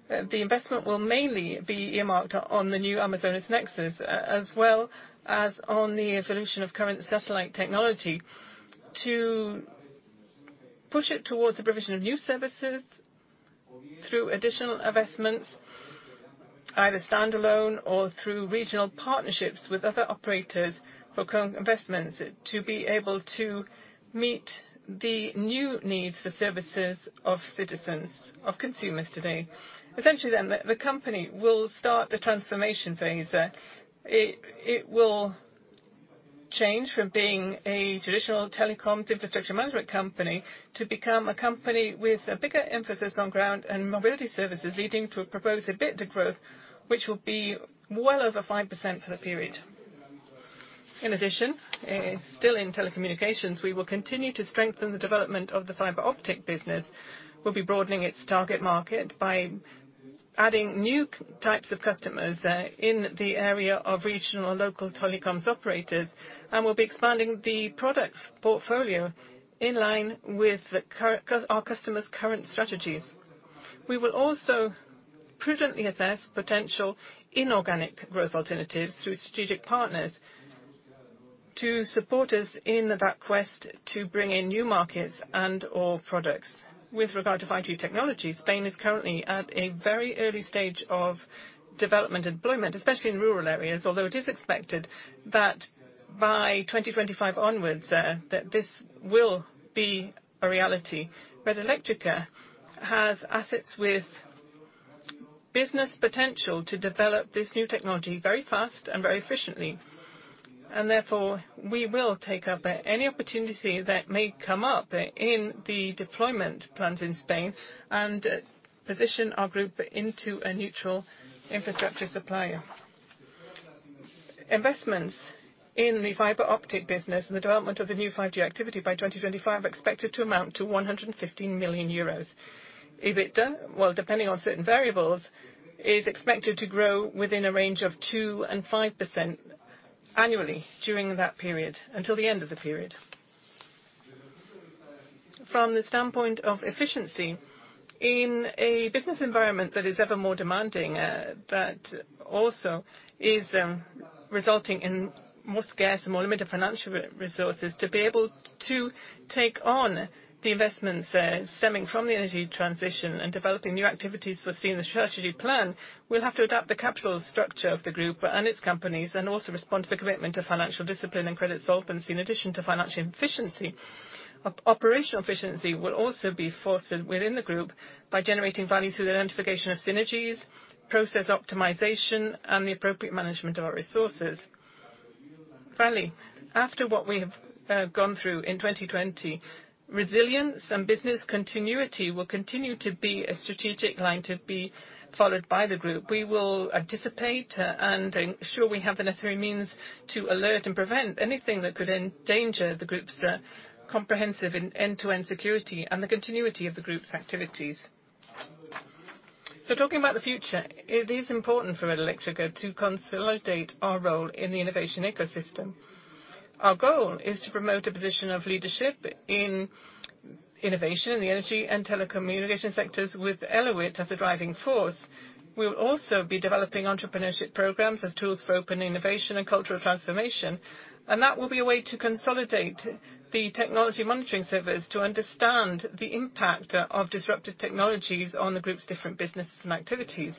The investment will mainly be earmarked on the new Amazonas Nexus, as well as on the evolution of current satellite technology to push it towards the provision of new services through additional investments, either standalone or through regional partnerships with other operators for current investments, to be able to meet the new needs for services of citizens, of consumers today. Essentially, then, the company will start the transformation phase. It will change from being a traditional telecoms infrastructure management company to become a company with a bigger emphasis on ground and mobility services, leading to a proposed EBITDA growth, which will be well over 5% for the period. In addition, still in telecommunications, we will continue to strengthen the development of the fiber optic business. We'll be broadening its target market by adding new types of customers in the area of regional and local telecoms operators, and we'll be expanding the product portfolio in line with our customers' current strategies. We will also prudently assess potential inorganic growth alternatives through strategic partners to support us in that quest to bring in new markets and/or products. With regard to 5G technology, Spain is currently at a very early stage of development and deployment, especially in rural areas, although it is expected that by 2025 onwards, this will be a reality. Red Eléctrica has assets with business potential to develop this new technology very fast and very efficiently, and therefore, we will take up any opportunity that may come up in the deployment plans in Spain and position our group into a neutral infrastructure supplier. Investments in the fiber optic business and the development of the new 5G activity by 2025 are expected to amount to 115 million euros. EBITDA, while depending on certain variables, is expected to grow within a range of 2%-5% annually during that period until the end of the period. From the standpoint of efficiency in a business environment that is ever more demanding, that also is resulting in more scarce and more limited financial resources, to be able to take on the investments stemming from the energy transition and developing new activities for seeing the strategy plan, we'll have to adapt the capital structure of the group and its companies and also respond to the commitment to financial discipline and credit solvency. In addition to financial efficiency, operational efficiency will also be fostered within the group by generating value through the identification of synergies, process optimization, and the appropriate management of our resources. Finally, after what we have gone through in 2020, resilience and business continuity will continue to be a strategic line to be followed by the group. We will anticipate and ensure we have the necessary means to alert and prevent anything that could endanger the group's comprehensive end-to-end security and the continuity of the group's activities, so talking about the future, it is important for Red Eléctrica to consolidate our role in the innovation ecosystem. Our goal is to promote a position of leadership in innovation in the energy and telecommunication sectors with Elewit as the driving force. We will also be developing entrepreneurship programs as tools for open innovation and cultural transformation. That will be a way to consolidate the technology monitoring service to understand the impact of disruptive technologies on the group's different businesses and activities.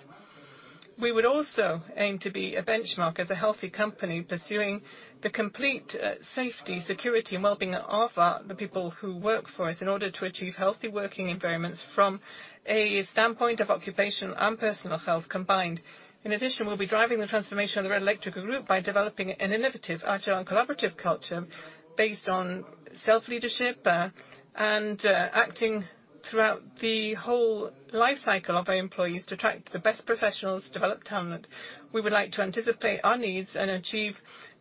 We would also aim to be a benchmark as a healthy company pursuing the complete safety, security, and well-being of the people who work for us in order to achieve healthy working environments from a standpoint of occupational and personal health combined. In addition, we'll be driving the transformation of the Red Eléctrica group by developing an innovative, agile, and collaborative culture based on self-leadership and acting throughout the whole life cycle of our employees to attract the best professionals, develop talent. We would like to anticipate our needs and achieve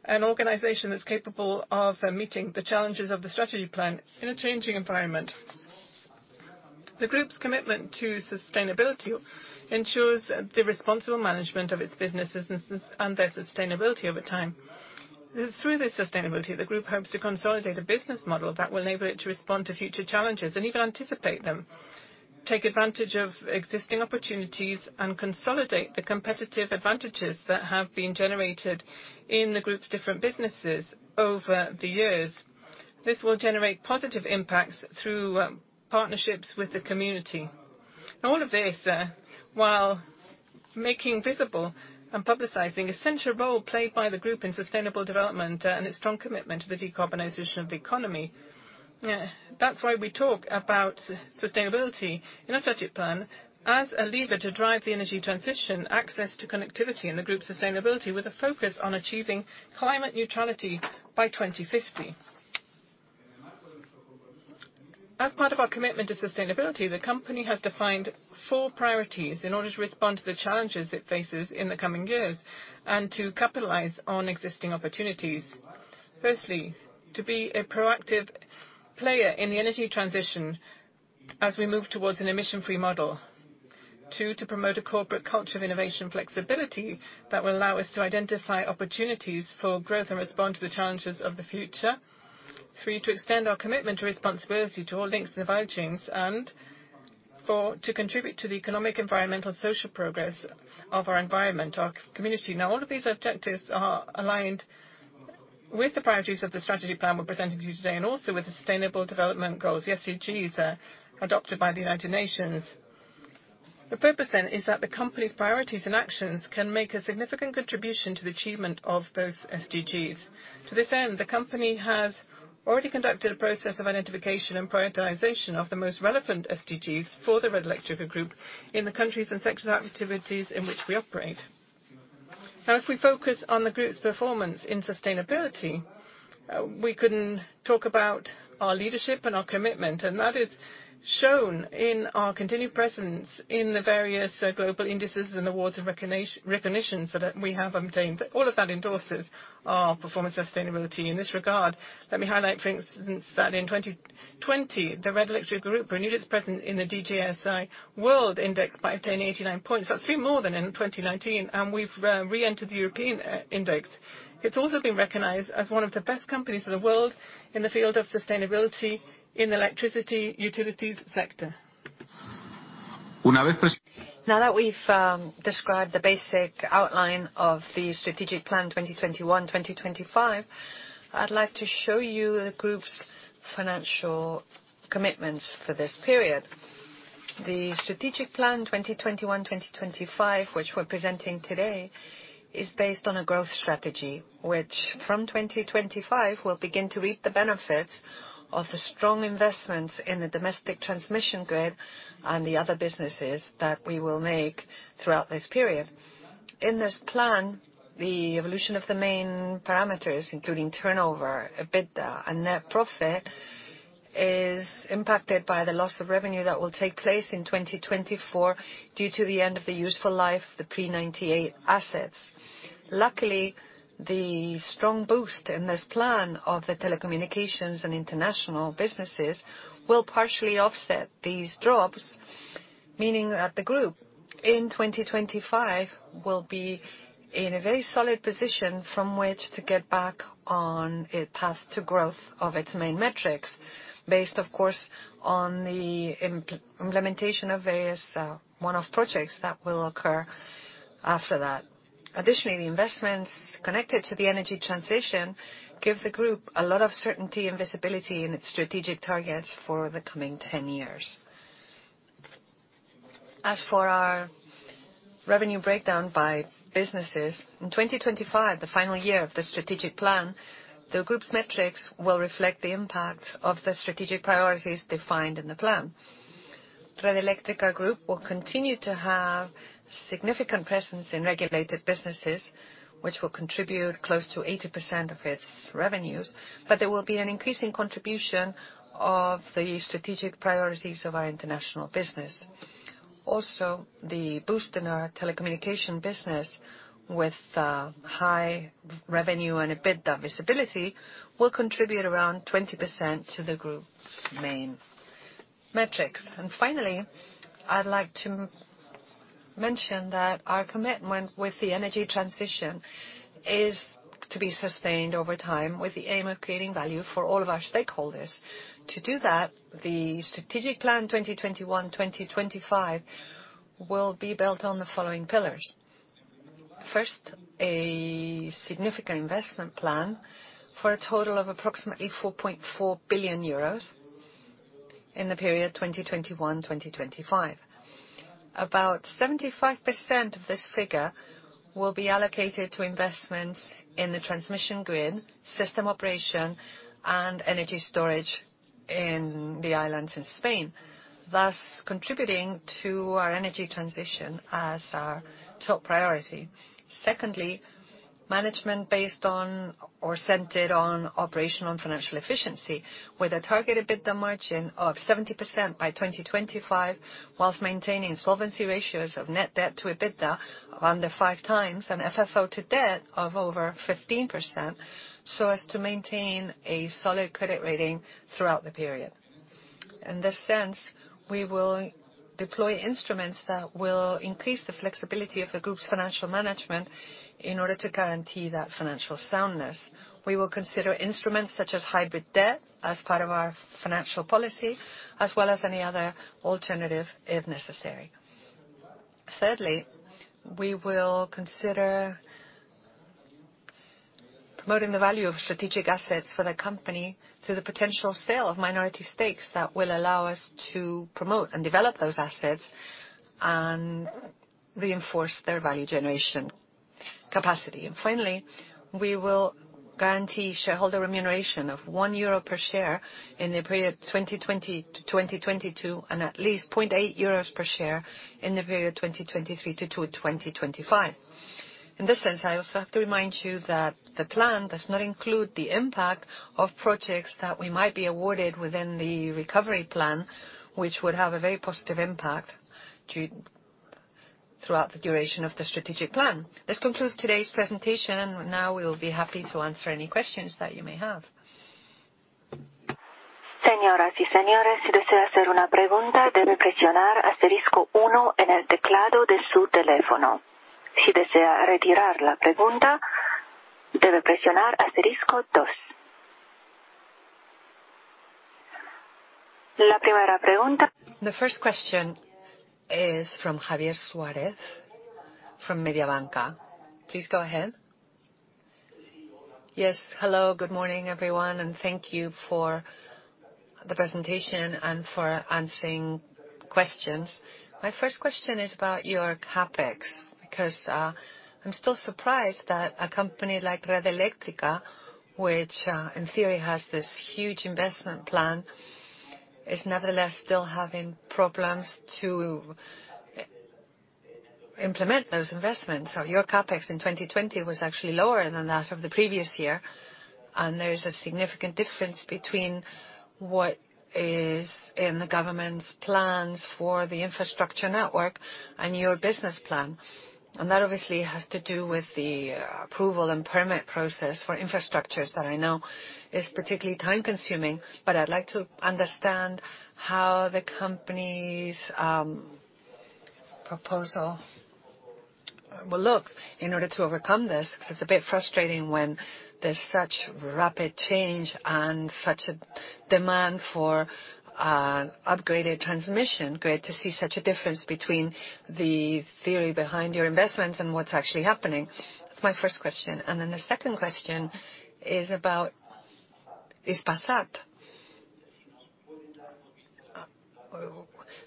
an organization that's capable of meeting the challenges of the strategy plan in a changing environment. The group's commitment to sustainability ensures the responsible management of its businesses and their sustainability over time. Through this sustainability, the group hopes to consolidate a business model that will enable it to respond to future challenges and even anticipate them, take advantage of existing opportunities, and consolidate the competitive advantages that have been generated in the group's different businesses over the years. This will generate positive impacts through partnerships with the community. All of this, while making visible and publicizing a central role played by the group in sustainable development and its strong commitment to the decarbonization of the economy. That's why we talk about sustainability in our strategy plan as a lever to drive the energy transition, access to connectivity, and the group's sustainability with a focus on achieving climate neutrality by 2050. As part of our commitment to sustainability, the company has defined four priorities in order to respond to the challenges it faces in the coming years and to capitalize on existing opportunities. Firstly, to be a proactive player in the energy transition as we move towards an emission-free model. Two, to promote a corporate culture of innovation and flexibility that will allow us to identify opportunities for growth and respond to the challenges of the future. Three, to extend our commitment to responsibility to all links in the value chains and four, to contribute to the economic, environmental, and social progress of our environment, our community. Now, all of these objectives are aligned with the priorities of the strategy plan we're presenting to you today and also with the sustainable development goals, the SDGs adopted by the United Nations. The purpose, then, is that the company's priorities and actions can make a significant contribution to the achievement of those SDGs. To this end, the company has already conducted a process of identification and prioritization of the most relevant SDGs for the Red Eléctrica group in the countries and sectors of activities in which we operate. Now, if we focus on the group's performance in sustainability, we couldn't talk about our leadership and our commitment, and that is shown in our continued presence in the various global indices and awards and recognitions that we have obtained. All of that endorses our performance and sustainability in this regard. Let me highlight, for instance, that in 2020, the Red Eléctrica group renewed its presence in the DJSI World Index by obtaining 89 points. That's three more than in 2019, and we've re-entered the European index. It's also been recognized as one of the best companies in the world in the field of sustainability in the electricity utilities sector. Una vez. Now that we've described the basic outline of the strategic plan 2021-2025, I'd like to show you the group's financial commitments for this period. The strategic plan 2021-2025, which we're presenting today, is based on a growth strategy, which from 2025 will begin to reap the benefits of the strong investments in the domestic transmission grid and the other businesses that we will make throughout this period. In this plan, the evolution of the main parameters, including turnover, EBITDA, and net profit, is impacted by the loss of revenue that will take place in 2024 due to the end of the useful life of the Pre-98 assets. Luckily, the strong boost in this plan of the telecommunications and international businesses will partially offset these drops, meaning that the group in 2025 will be in a very solid position from which to get back on its path to growth of its main metrics, based, of course, on the implementation of various one-off projects that will occur after that. Additionally, the investments connected to the energy transition give the group a lot of certainty and visibility in its strategic targets for the coming 10 years. As for our revenue breakdown by businesses, in 2025, the final year of the strategic plan, the group's metrics will reflect the impact of the strategic priorities defined in the plan. Red Eléctrica group will continue to have a significant presence in regulated businesses, which will contribute close to 80% of its revenues, but there will be an increasing contribution of the strategic priorities of our international business. Also, the boost in our telecommunication business with high revenue and EBITDA visibility will contribute around 20% to the group's main metrics. And finally, I'd like to mention that our commitment with the energy transition is to be sustained over time with the aim of creating value for all of our stakeholders. To do that, the strategic plan 2021-2025 will be built on the following pillars. First, a significant investment plan for a total of approximately 4.4 billion euros in the period 2021-2025. About 75% of this figure will be allocated to investments in the transmission grid, system operation, and energy storage in the islands in Spain, thus contributing to our energy transition as our top priority. Secondly, management based on or centered on operational and financial efficiency, with a target EBITDA margin of 70% by 2025, whilst maintaining solvency ratios of net debt to EBITDA of under five times and FFO to debt of over 15%, so as to maintain a solid credit rating throughout the period. In this sense, we will deploy instruments that will increase the flexibility of the group's financial management in order to guarantee that financial soundness. We will consider instruments such as hybrid debt as part of our financial policy, as well as any other alternative if necessary. Thirdly, we will consider promoting the value of strategic assets for the company through the potential sale of minority stakes that will allow us to promote and develop those assets and reinforce their value generation capacity. And finally, we will guarantee shareholder remuneration of 1 euro per share in the period 2020 to 2022 and at least 0.8 euros per share in the period 2023 to 2025. In this sense, I also have to remind you that the plan does not include the impact of projects that we might be awarded within the recovery plan, which would have a very positive impact throughout the duration of the strategic plan. This concludes today's presentation. Now, we will be happy to answer any questions that you may have. Señoras y señores, si desea hacer una pregunta, debe presionar asterisco 1 en el teclado de su teléfono. Si desea retirar la pregunta, debe presionar asterisco 2. La primera pregunta. The first question is from Javier Suárez from Mediobanca. Please go ahead. Yes, hello, good morning, everyone, and thank you for the presentation and for answering questions. My first question is about your CapEx, because I'm still surprised that a company like Red Eléctrica, which in theory has this huge investment plan, is nevertheless still having problems to implement those investments. So your CapEx in 2020 was actually lower than that of the previous year, and there is a significant difference between what is in the government's plans for the infrastructure network and your business plan. And that obviously has to do with the approval and permit process for infrastructures that I know is particularly time-consuming, but I'd like to understand how the company's proposal will look in order to overcome this, because it's a bit frustrating when there's such rapid change and such a demand for upgraded transmission. Great to see such a difference between the theory behind your investments and what's actually happening. That's my first question. And then the second question is about Hispasat.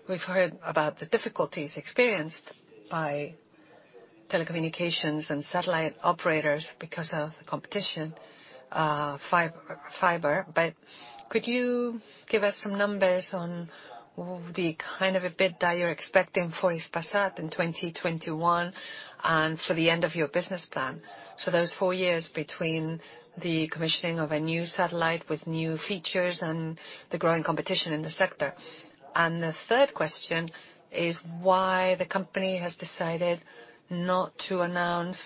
We've heard about the difficulties experienced by telecommunications and satellite operators because of the competition, fiber. But could you give us some numbers on the kind of EBITDA you're expecting for Hispasat in 2021 and for the end of your business plan? So those four years between the commissioning of a new satellite with new features and the growing competition in the sector. The third question is why the company has decided not to announce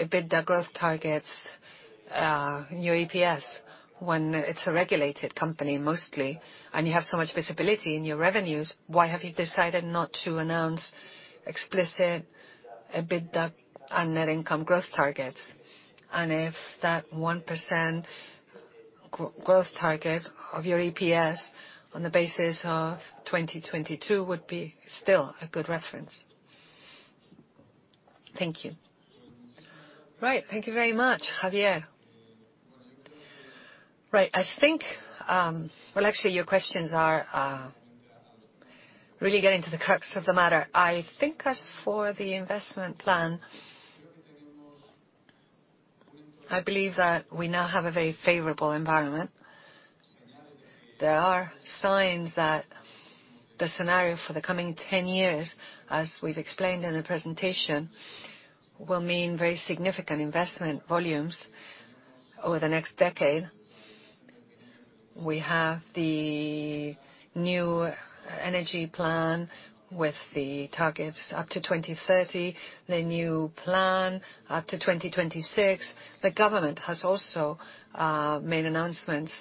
EBITDA growth targets, your EPS, when it's a regulated company mostly, and you have so much visibility in your revenues. Why have you decided not to announce explicit EBITDA and net income growth targets? And if that 1% growth target of your EPS on the basis of 2022 would be still a good reference. Thank you. Right, thank you very much, Javier. Right, I think, well, actually, your questions are really getting to the crux of the matter. I think as for the investment plan, I believe that we now have a very favorable environment. There are signs that the scenario for the coming 10 years, as we've explained in the presentation, will mean very significant investment volumes over the next decade. We have the new energy plan with the targets up to 2030, the new plan up to 2026. The government has also made announcements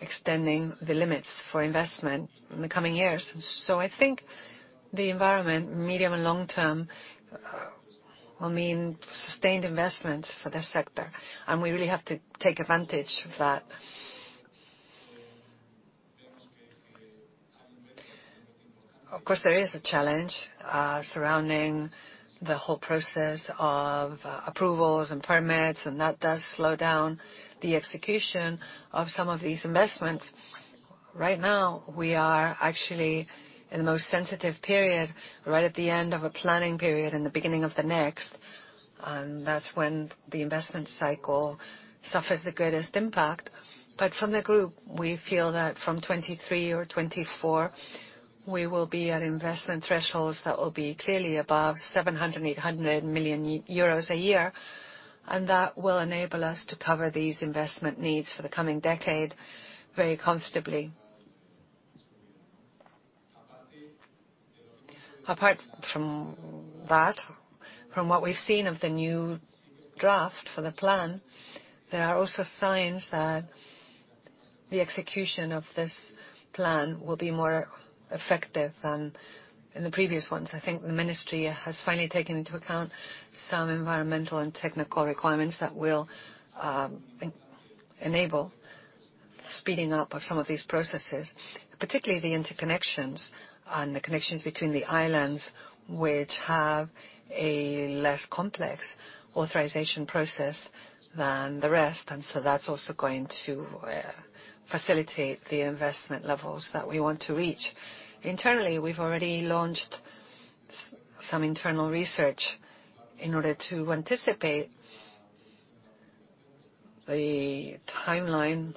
extending the limits for investment in the coming years. So I think the environment, medium and long term, will mean sustained investments for this sector, and we really have to take advantage of that. Of course, there is a challenge surrounding the whole process of approvals and permits, and that does slow down the execution of some of these investments. Right now, we are actually in the most sensitive period, right at the end of a planning period and the beginning of the next, and that's when the investment cycle suffers the greatest impact. But from the group, we feel that from 2023 or 2024, we will be at investment thresholds that will be clearly above 700 million-800 million euros a year, and that will enable us to cover these investment needs for the coming decade very comfortably. Apart from that, from what we've seen of the new draft for the plan, there are also signs that the execution of this plan will be more effective than in the previous ones. I think the ministry has finally taken into account some environmental and technical requirements that will enable the speeding up of some of these processes, particularly the interconnections and the connections between the islands, which have a less complex authorization process than the rest. And so that's also going to facilitate the investment levels that we want to reach. Internally, we've already launched some internal research in order to anticipate the timeline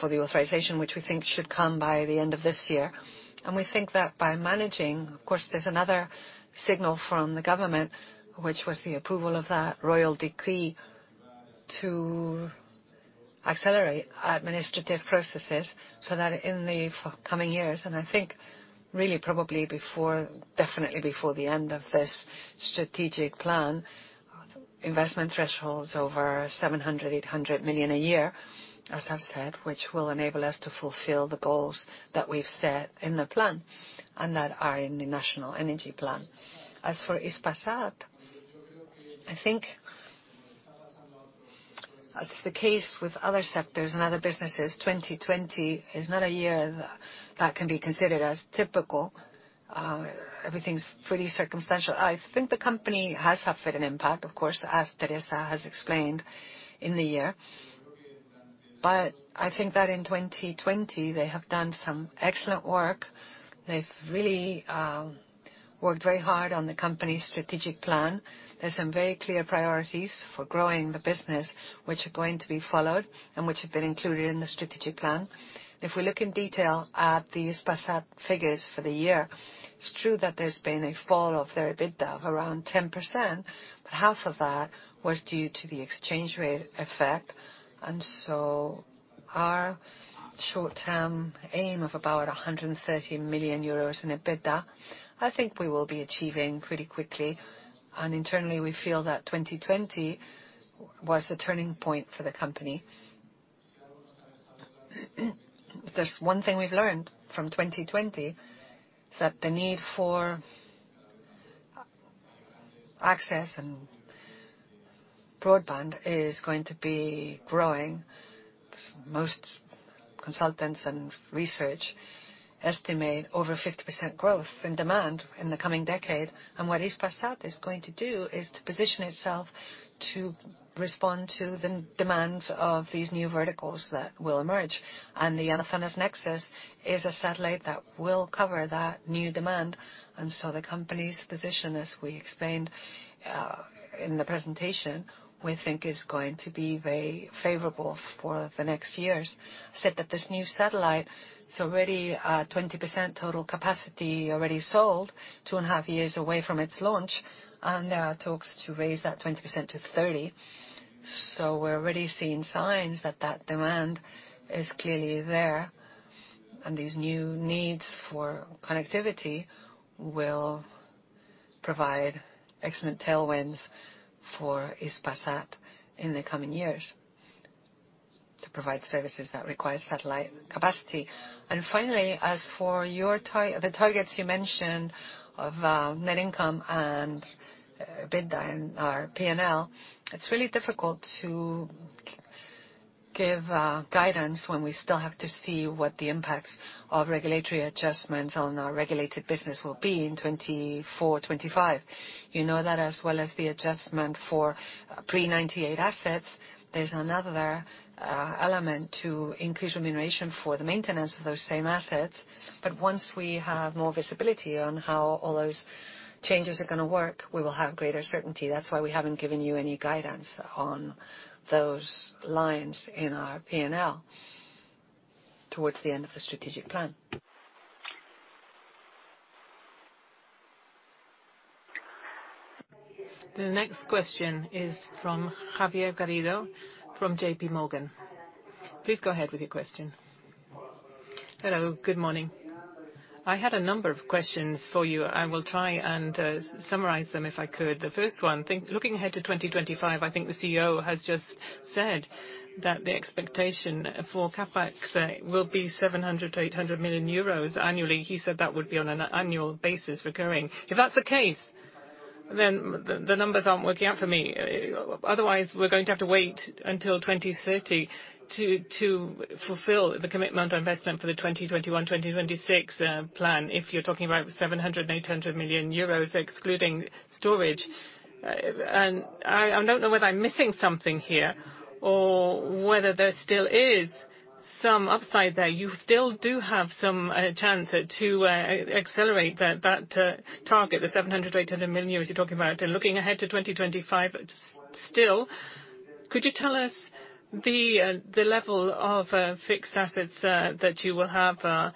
for the authorization, which we think should come by the end of this year, and we think that by managing, of course, there's another signal from the government, which was the approval of that royal decree to accelerate administrative processes so that in the coming years, and I think really probably definitely before the end of this strategic plan, investment thresholds over 700-800 million a year, as I've said, which will enable us to fulfill the goals that we've set in the plan and that are in the national energy plan. As for Hispasat, I think it's the case with other sectors and other businesses. 2020 is not a year that can be considered as typical. Everything's pretty circumstantial. I think the company has suffered an impact, of course, as Teresa has explained in the year. But I think that in 2020, they have done some excellent work. They've really worked very hard on the company's strategic plan. There's some very clear priorities for growing the business, which are going to be followed and which have been included in the strategic plan. If we look in detail at the Hispasat figures for the year, it's true that there's been a fall of their EBITDA of around 10%, but half of that was due to the exchange rate effect. And so our short-term aim of about 130 million euros in EBITDA, I think we will be achieving pretty quickly. And internally, we feel that 2020 was the turning point for the company. There's one thing we've learned from 2020, that the need for access and broadband is going to be growing. Most consultants and research estimate over 50% growth in demand in the coming decade. What Hispasat is going to do is to position itself to respond to the demands of these new verticals that will emerge. The Amazonas Nexus is a satellite that will cover that new demand. The company's position, as we explained in the presentation, we think is going to be very favorable for the next years. I said that this new satellite, it's already 20% total capacity already sold, two and a half years away from its launch, and there are talks to raise that 20%-30%. We're already seeing signs that that demand is clearly there, and these new needs for connectivity will provide excellent tailwinds for Hispasat in the coming years to provide services that require satellite capacity. And finally, as for the targets you mentioned of net income and EBITDA and our P&L, it's really difficult to give guidance when we still have to see what the impacts of regulatory adjustments on our regulated business will be in 2024, 2025. You know that as well as the adjustment for pre-1998 assets, there's another element to increase remuneration for the maintenance of those same assets. But once we have more visibility on how all those changes are going to work, we will have greater certainty. That's why we haven't given you any guidance on those lines in our P&L towards the end of the strategic plan. The next question is from Javier Garrido from JP Morgan. Please go ahead with your question. Hello, good morning. I had a number of questions for you. I will try and summarize them if I could. The first one, looking ahead to 2025, I think the CEO has just said that the expectation for CapEx will be 700 million-800 million euros annually. He said that would be on an annual basis recurring. If that's the case, then the numbers aren't working out for me. Otherwise, we're going to have to wait until 2030 to fulfill the commitment to investment for the 2021-2026 plan if you're talking about 700 million euros and 800 million euros, excluding storage. And I don't know whether I'm missing something here or whether there still is some upside there. You still do have some chance to accelerate that target, the 700 million-800 million euros you're talking about. And looking ahead to 2025 still, could you tell us the level of fixed assets that you will have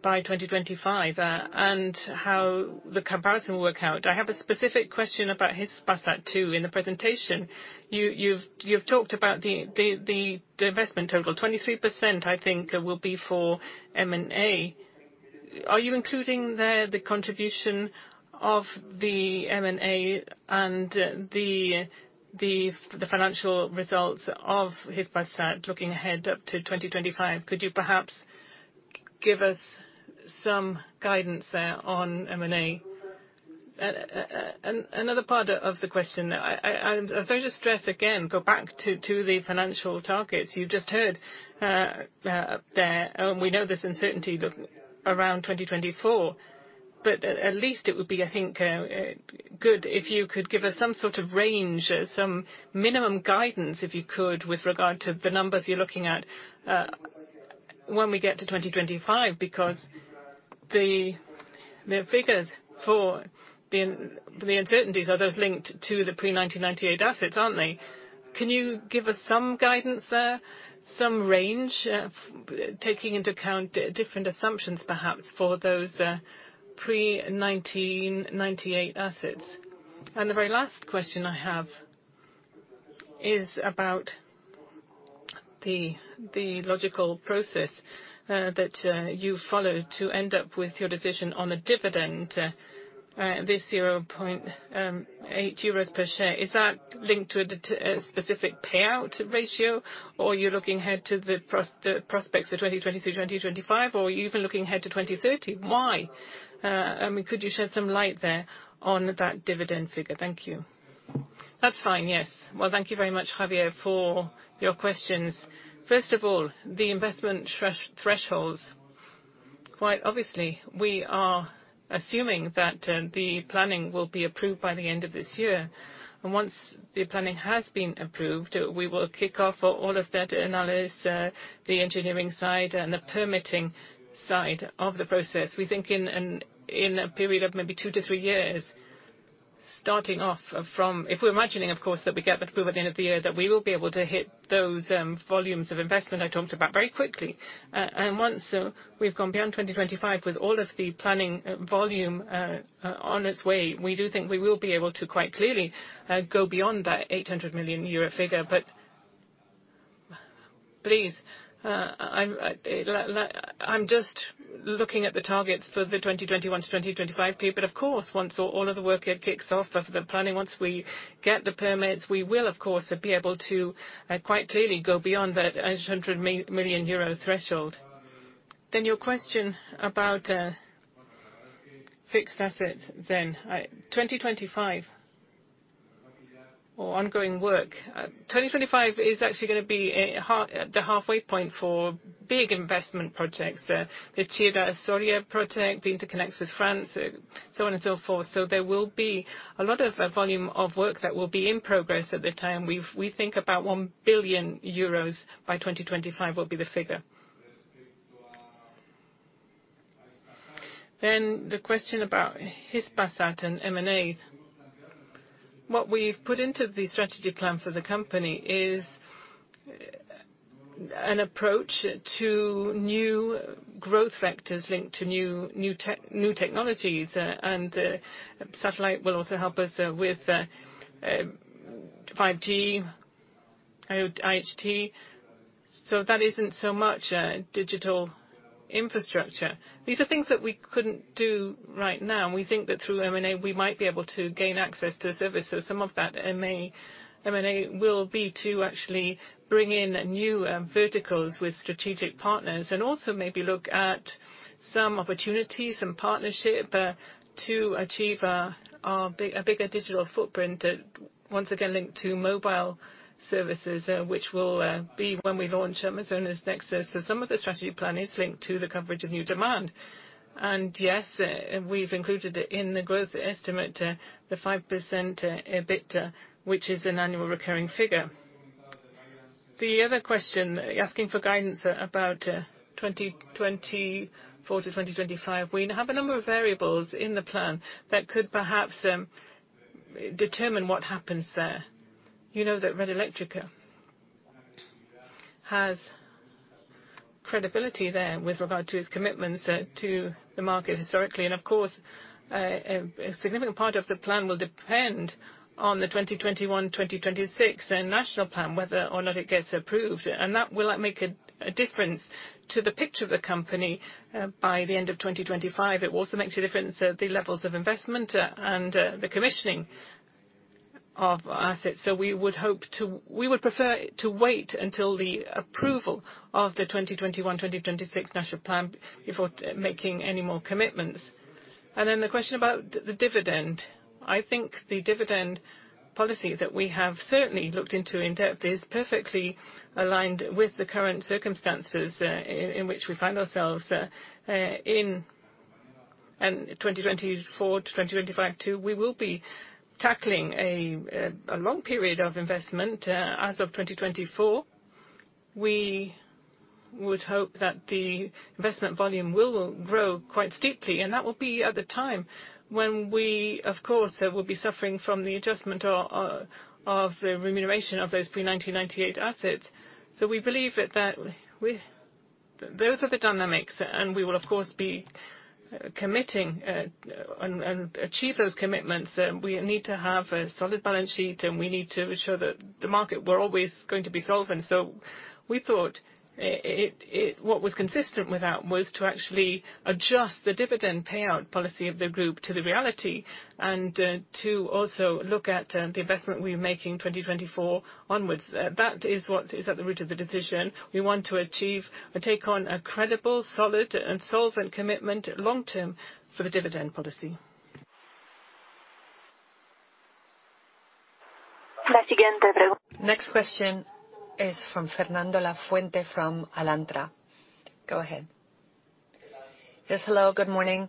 by 2025 and how the comparison will work out? I have a specific question about Hispasat too. In the presentation, you've talked about the investment total. 23%, I think, will be for M&A. Are you including there the contribution of the M&A and the financial results of Hispasat looking ahead up to 2025? Could you perhaps give us some guidance there on M&A? Another part of the question, I'm sorry to stress again, go back to the financial targets you've just heard there. We know there's uncertainty around 2024, but at least it would be, I think, good if you could give us some sort of range, some minimum guidance, if you could, with regard to the numbers you're looking at when we get to 2025, because the figures for the uncertainties are those linked to the pre-1998 assets, aren't they? Can you give us some guidance there, some range, taking into account different assumptions, perhaps, for those pre-1998 assets? And the very last question I have is about the logical process that you followed to end up with your decision on a dividend, this 0.8 euros per share. Is that linked to a specific payout ratio, or are you looking ahead to the prospects for 2023, 2025, or are you even looking ahead to 2030? Why? I mean, could you shed some light there on that dividend figure? Thank you. That's fine, yes. Well, thank you very much, Javier, for your questions. First of all, the investment thresholds, quite obviously, we are assuming that the planning will be approved by the end of this year. And once the planning has been approved, we will kick off all of that analysis, the engineering side, and the permitting side of the process. We think in a period of maybe two to three years, starting off from if we're imagining, of course, that we get that approval at the end of the year, that we will be able to hit those volumes of investment I talked about very quickly, and once we've gone beyond 2025 with all of the planning volume on its way, we do think we will be able to quite clearly go beyond that 800 million euro figure, but please, I'm just looking at the targets for the 2021 to 2025 period, but of course, once all of the work kicks off of the planning, once we get the permits, we will, of course, be able to quite clearly go beyond that 800 million euro figure threshold, then your question about fixed assets then, 2025 or ongoing work. 2025 is actually going to be the halfway point for big investment projects, the Biscay-Aquitane project, the interconnects with France, so on and so forth. There will be a lot of volume of work that will be in progress at the time. We think about 1 billion euros by 2025 will be the figure. The question about Hispasat and M&A. What we've put into the strategy plan for the company is an approach to new growth vectors linked to new technologies. Satellite will also help us with 5G, IoT, HTS. That isn't so much digital infrastructure. These are things that we couldn't do right now. We think that through M&A, we might be able to gain access to the service. Some of that M&A will be to actually bring in new verticals with strategic partners and also maybe look at some opportunities and partnership to achieve a bigger digital footprint, once again linked to mobile services, which will be when we launch Amazonas Nexus. Some of the strategy plan is linked to the coverage of new demand. And yes, we've included in the growth estimate the 5% EBITDA, which is an annual recurring figure. The other question, asking for guidance about 2024-2025, we have a number of variables in the plan that could perhaps determine what happens there. You know that Red Eléctrica has credibility there with regard to its commitments to the market historically. And of course, a significant part of the plan will depend on the 2021-2026 national plan, whether or not it gets approved. That will make a difference to the picture of the company by the end of 2025. It also makes a difference to the levels of investment and the commissioning of assets. We would prefer to wait until the approval of the 2021-2026 national plan before making any more commitments. The question about the dividend. I think the dividend policy that we have certainly looked into in depth is perfectly aligned with the current circumstances in which we find ourselves. 2024 to 2025 too, we will be tackling a long period of investment. As of 2024, we would hope that the investment volume will grow quite steeply. That will be at the time when we, of course, will be suffering from the adjustment of the remuneration of those pre-1998 assets. We believe that those are the dynamics. And we will, of course, be committing and achieve those commitments. We need to have a solid balance sheet, and we need to ensure that the market we're always going to be solvent. So we thought what was consistent with that was to actually adjust the dividend payout policy of the group to the reality and to also look at the investment we're making 2024 onwards. That is what is at the root of the decision. We want to achieve and take on a credible, solid, and solvent commitment long term for the dividend policy. Next question is from Fernando Lafuente from Alantra. Go ahead. Yes, hello, good morning.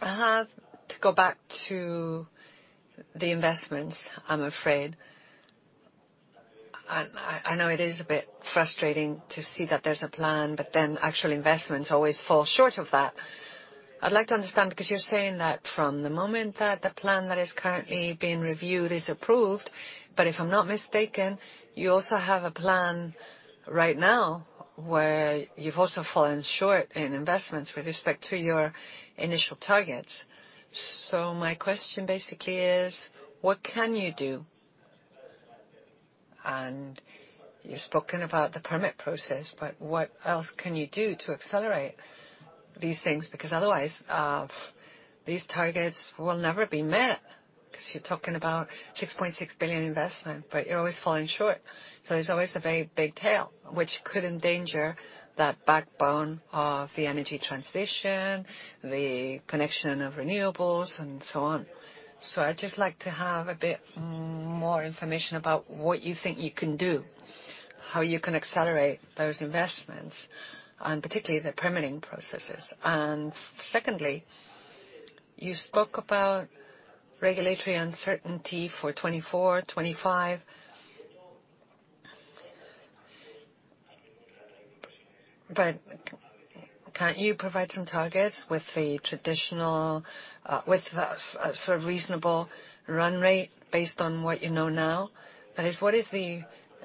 I have to go back to the investments, I'm afraid. I know it is a bit frustrating to see that there's a plan, but then actual investments always fall short of that. I'd like to understand because you're saying that from the moment that the plan that is currently being reviewed is approved, but if I'm not mistaken, you also have a plan right now where you've also fallen short in investments with respect to your initial targets, so my question basically is, what can you do, and you've spoken about the permit process, but what else can you do to accelerate these things, because otherwise, these targets will never be met because you're talking about 6.6 billion investment, but you're always falling short, so there's always a very big tail, which could endanger that backbone of the energy transition, the connection of renewables, and so on, so I'd just like to have a bit more information about what you think you can do, how you can accelerate those investments, and particularly the permitting processes. Secondly, you spoke about regulatory uncertainty for 2024, 2025. But can't you provide some targets with a traditional, with a sort of reasonable run rate based on what you know now? That is, what is the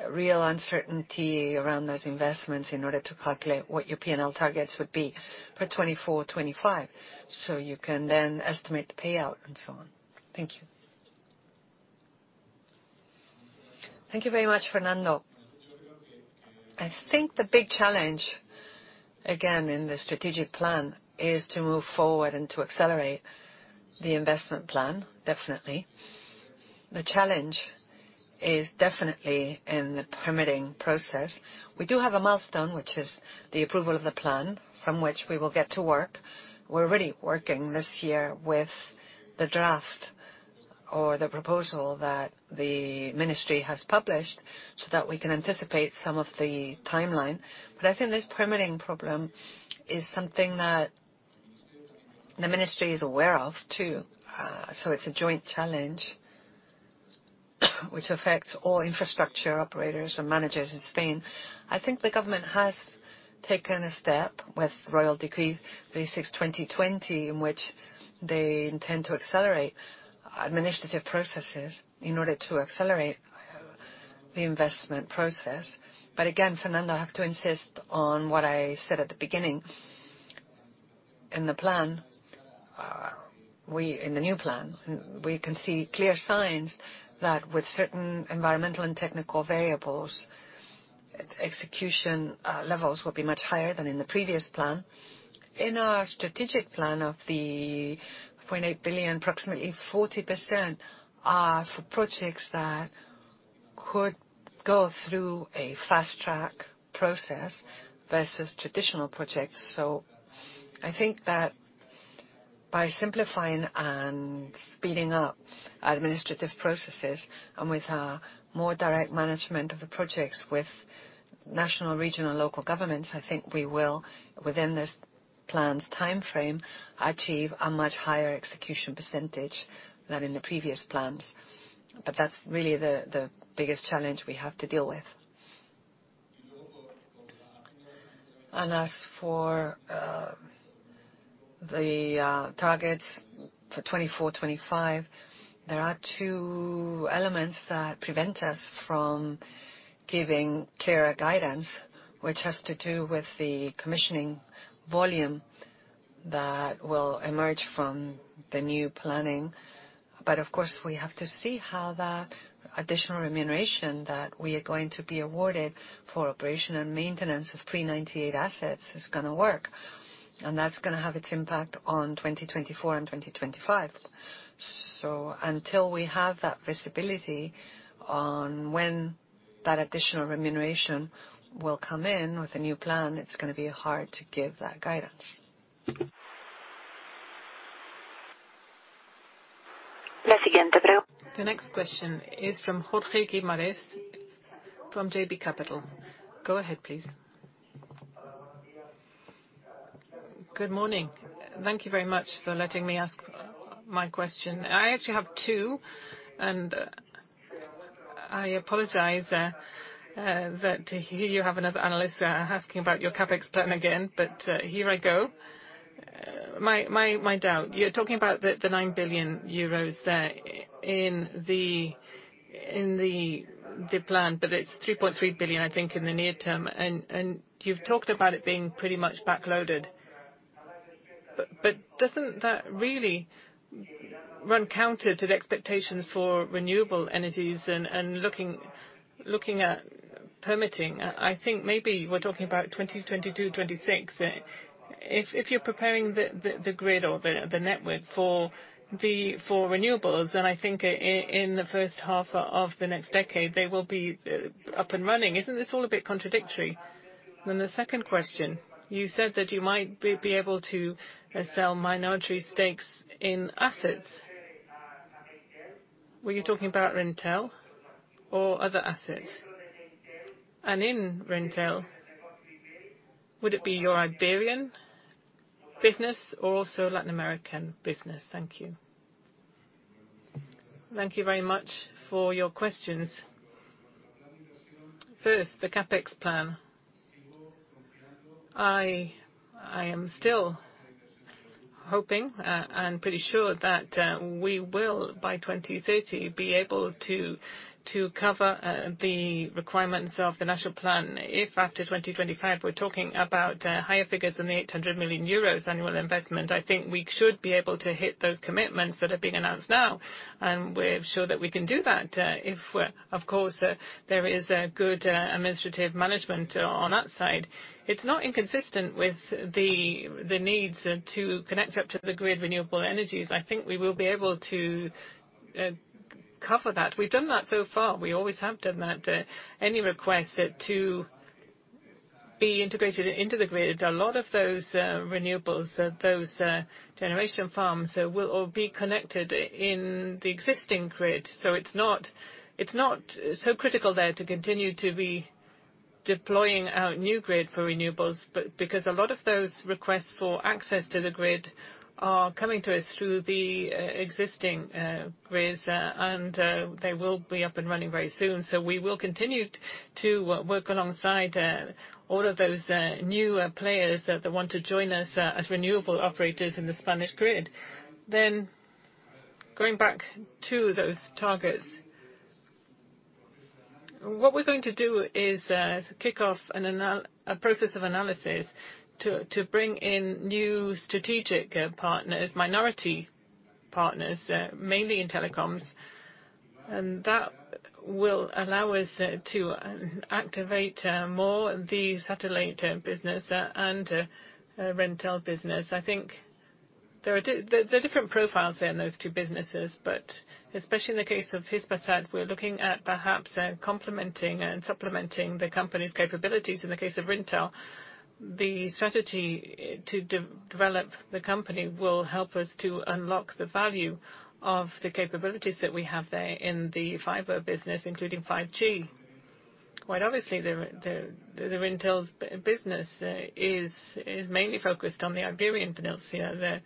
real uncertainty around those investments in order to calculate what your P&L targets would be for 2024, 2025, so you can then estimate the payout and so on? Thank you. Thank you very much, Fernando. I think the big challenge, again, in the strategic plan is to move forward and to accelerate the investment plan, definitely. The challenge is definitely in the permitting process. We do have a milestone, which is the approval of the plan from which we will get to work. We're already working this year with the draft or the proposal that the ministry has published so that we can anticipate some of the timeline. But I think this permitting problem is something that the ministry is aware of too. So it's a joint challenge which affects all infrastructure operators and managers in Spain. I think the government has taken a step with Royal Decree 36/2020, in which they intend to accelerate administrative processes in order to accelerate the investment process. But again, Fernando, I have to insist on what I said at the beginning. In the plan, in the new plan, we can see clear signs that with certain environmental and technical variables, execution levels will be much higher than in the previous plan. In our strategic plan of 0.8 billion, approximately 40% are for projects that could go through a fast track process versus traditional projects. I think that by simplifying and speeding up administrative processes and with a more direct management of the projects with national, regional, and local governments, I think we will, within this plan's timeframe, achieve a much higher execution percentage than in the previous plans. But that's really the biggest challenge we have to deal with. And as for the targets for 2024, 2025, there are two elements that prevent us from giving clearer guidance, which has to do with the commissioning volume that will emerge from the new planning. But of course, we have to see how that additional remuneration that we are going to be awarded for operation and maintenance of Pre-98 Assets is going to work. And that's going to have its impact on 2024 and 2025. So until we have that visibility on when that additional remuneration will come in with a new plan, it's going to be hard to give that guidance. The next question is from Jorge Guimarães from JB Capital. Go ahead, please. Good morning. Thank you very much for letting me ask my question. I actually have two, and I apologize that you have another analyst asking about your CapEx plan again, but here I go. My doubt. You're talking about the 9 billion euros in the plan, but it's 3.3 billion, I think, in the near term. And you've talked about it being pretty much backloaded. But doesn't that really run counter to the expectations for renewable energies and looking at permitting? I think maybe we're talking about 2022, 2026. If you're preparing the grid or the network for renewables, then I think in the first half of the next decade, they will be up and running. Isn't this all a bit contradictory? Then the second question, you said that you might be able to sell minority stakes in assets. Were you talking about Reintel or other assets? And in Reintel, would it be your Iberian business or also Latin American business? Thank you. Thank you very much for your questions. First, the CapEx plan. I am still hoping and pretty sure that we will, by 2030, be able to cover the requirements of the national plan. If after 2025, we're talking about higher figures than the 800 million euros annual investment, I think we should be able to hit those commitments that are being announced now. We're sure that we can do that if, of course, there is good administrative management on that side. It's not inconsistent with the needs to connect up to the grid renewable energies. I think we will be able to cover that. We've done that so far. We always have done that. Any requests to be integrated into the grid. A lot of those renewables, those generation farms will all be connected in the existing grid, so it's not so critical there to continue to be deploying out new grid for renewables because a lot of those requests for access to the grid are coming to us through the existing grids, and they will be up and running very soon, so we will continue to work alongside all of those new players that want to join us as renewable operators in the Spanish grid. Then going back to those targets, what we're going to do is kick off a process of analysis to bring in new strategic partners, minority partners, mainly in telecoms. And that will allow us to activate more of the satellite business and Reintel business. I think there are different profiles in those two businesses, but especially in the case of Hispasat, we're looking at perhaps complementing and supplementing the company's capabilities. In the case of Reintel, the strategy to develop the company will help us to unlock the value of the capabilities that we have there in the fiber business, including 5G. Quite obviously, the Reintel business is mainly focused on the Iberian Peninsula.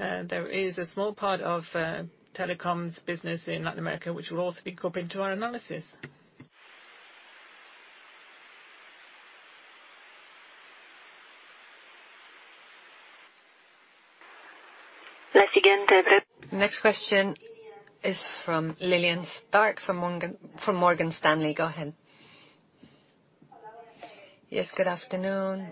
There is a small part of telecoms business in Latin America, which will also be grouped into our analysis. Next question is from Lillian Starke from Morgan Stanley. Go ahead. Yes, good afternoon.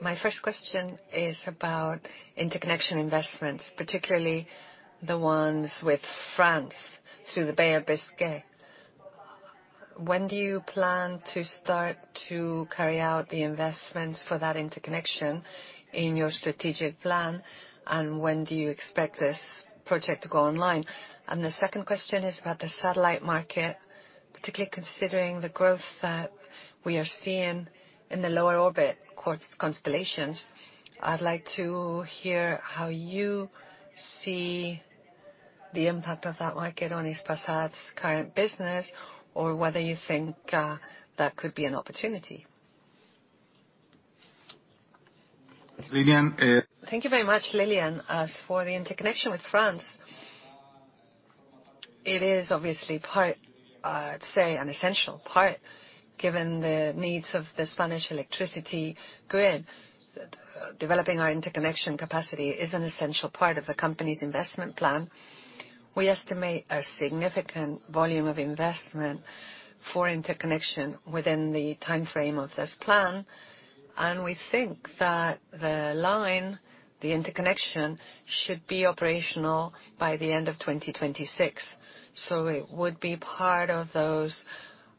My first question is about interconnection investments, particularly the ones with France through the Bay of Biscay. When do you plan to start to carry out the investments for that interconnection in your strategic plan, and when do you expect this project to go online? And the second question is about the satellite market, particularly considering the growth that we are seeing in the lower orbit constellations. I'd like to hear how you see the impact of that market on Hispasat's current business or whether you think that could be an opportunity. Lillian. Thank you very much, Lillian. As for the interconnection with France, it is obviously part, I'd say, an essential part given the needs of the Spanish electricity grid. Developing our interconnection capacity is an essential part of the company's investment plan. We estimate a significant volume of investment for interconnection within the timeframe of this plan. And we think that the line, the interconnection, should be operational by the end of 2026. So it would be part of those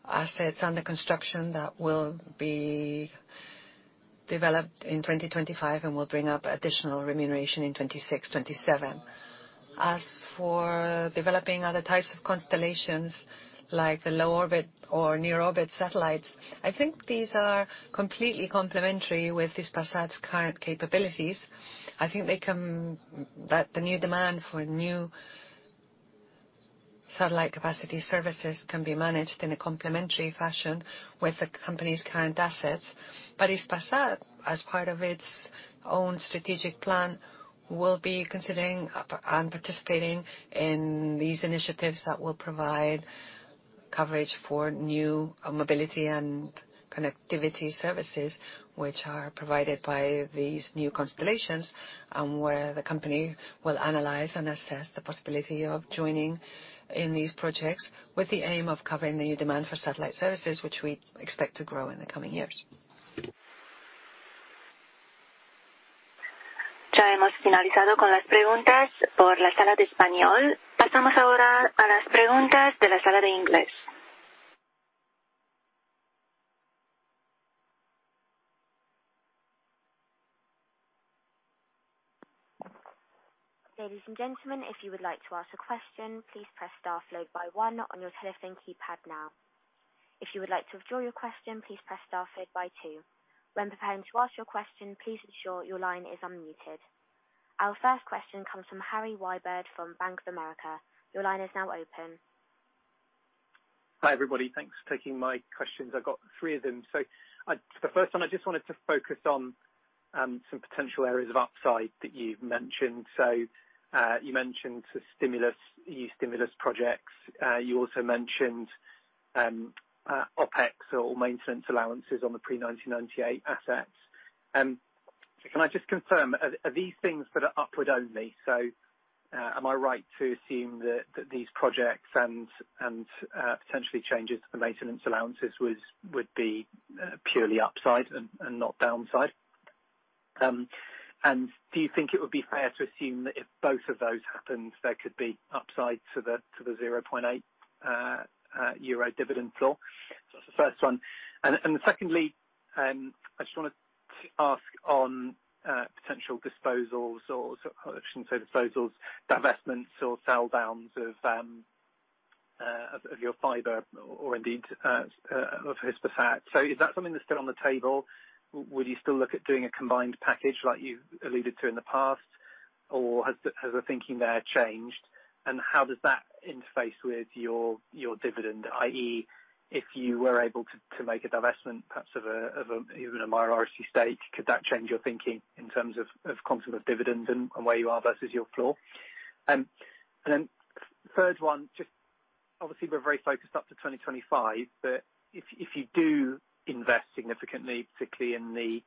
assets under construction that will be developed in 2025 and will bring up additional remuneration in 2026, 2027. As for developing other types of constellations like the low orbit or near orbit satellites, I think these are completely complementary with Hispasat's current capabilities. I think that the new demand for new satellite capacity services can be managed in a complementary fashion with the company's current assets. But Hispasat, as part of its own strategic plan, will be considering and participating in these initiatives that will provide coverage for new mobility and connectivity services, which are provided by these new constellations, where the company will analyze and assess the possibility of joining in these projects with the aim of covering the new demand for satellite services, which we expect to grow in the coming years. Ya hemos finalizado con las preguntas por la sala de español. Pasamos ahora a las preguntas de la sala de inglés. Ladies and gentlemen, if you would like to ask a question, please press star followed by one on your telephone keypad now. If you would like to withdraw your question, please press star followed by two. When preparing to ask your question, please ensure your line is unmuted. Our first question comes from Harry Wybird from Bank of America. Your line is now open. Hi everybody. Thanks for taking my questions. I've got three of them. So for the first one, I just wanted to focus on some potential areas of upside that you've mentioned. So you mentioned new stimulus projects. You also mentioned OpEx or maintenance allowances on the pre-1998 assets. Can I just confirm, are these things that are upward only? So am I right to assume that these projects and potentially changes to the maintenance allowances would be purely upside and not downside? And do you think it would be fair to assume that if both of those happen, there could be upside to the 0.8 euro dividend floor? So that's the first one. And secondly, I just want to ask on potential disposals or, I shouldn't say disposals, divestments or sell downs of your fiber or indeed of Hispasat. So is that something that's still on the table? Would you still look at doing a combined package like you alluded to in the past? Or has the thinking there changed? And how does that interface with your dividend, i.e., if you were able to make a divestment, perhaps of even a minority stake, could that change your thinking in terms of content of dividend and where you are versus your floor? And then third one, just obviously we're very focused up to 2025, but if you do invest significantly, particularly in the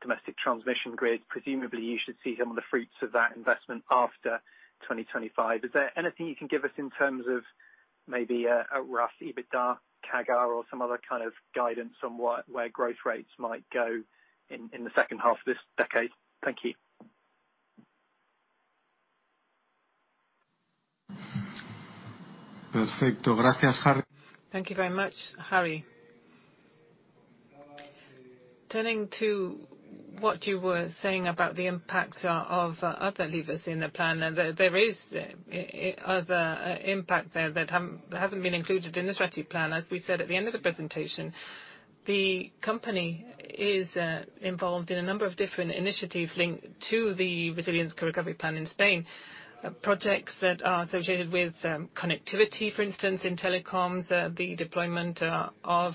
domestic transmission grid, presumably you should see some of the fruits of that investment after 2025. Is there anything you can give us in terms of maybe a rough EBITDA, CAGR, or some other kind of guidance on where growth rates might go in the second half of this decade? Thank you. Perfecto. Gracias, Harry. Thank you very much, Harry. Turning to what you were saying about the impact of other levers in the plan, there is other impact there that hasn't been included in the strategy plan. As we said at the end of the presentation, the company is involved in a number of different initiatives linked to the resilience recovery plan in Spain, projects that are associated with connectivity, for instance, in telecoms, the deployment of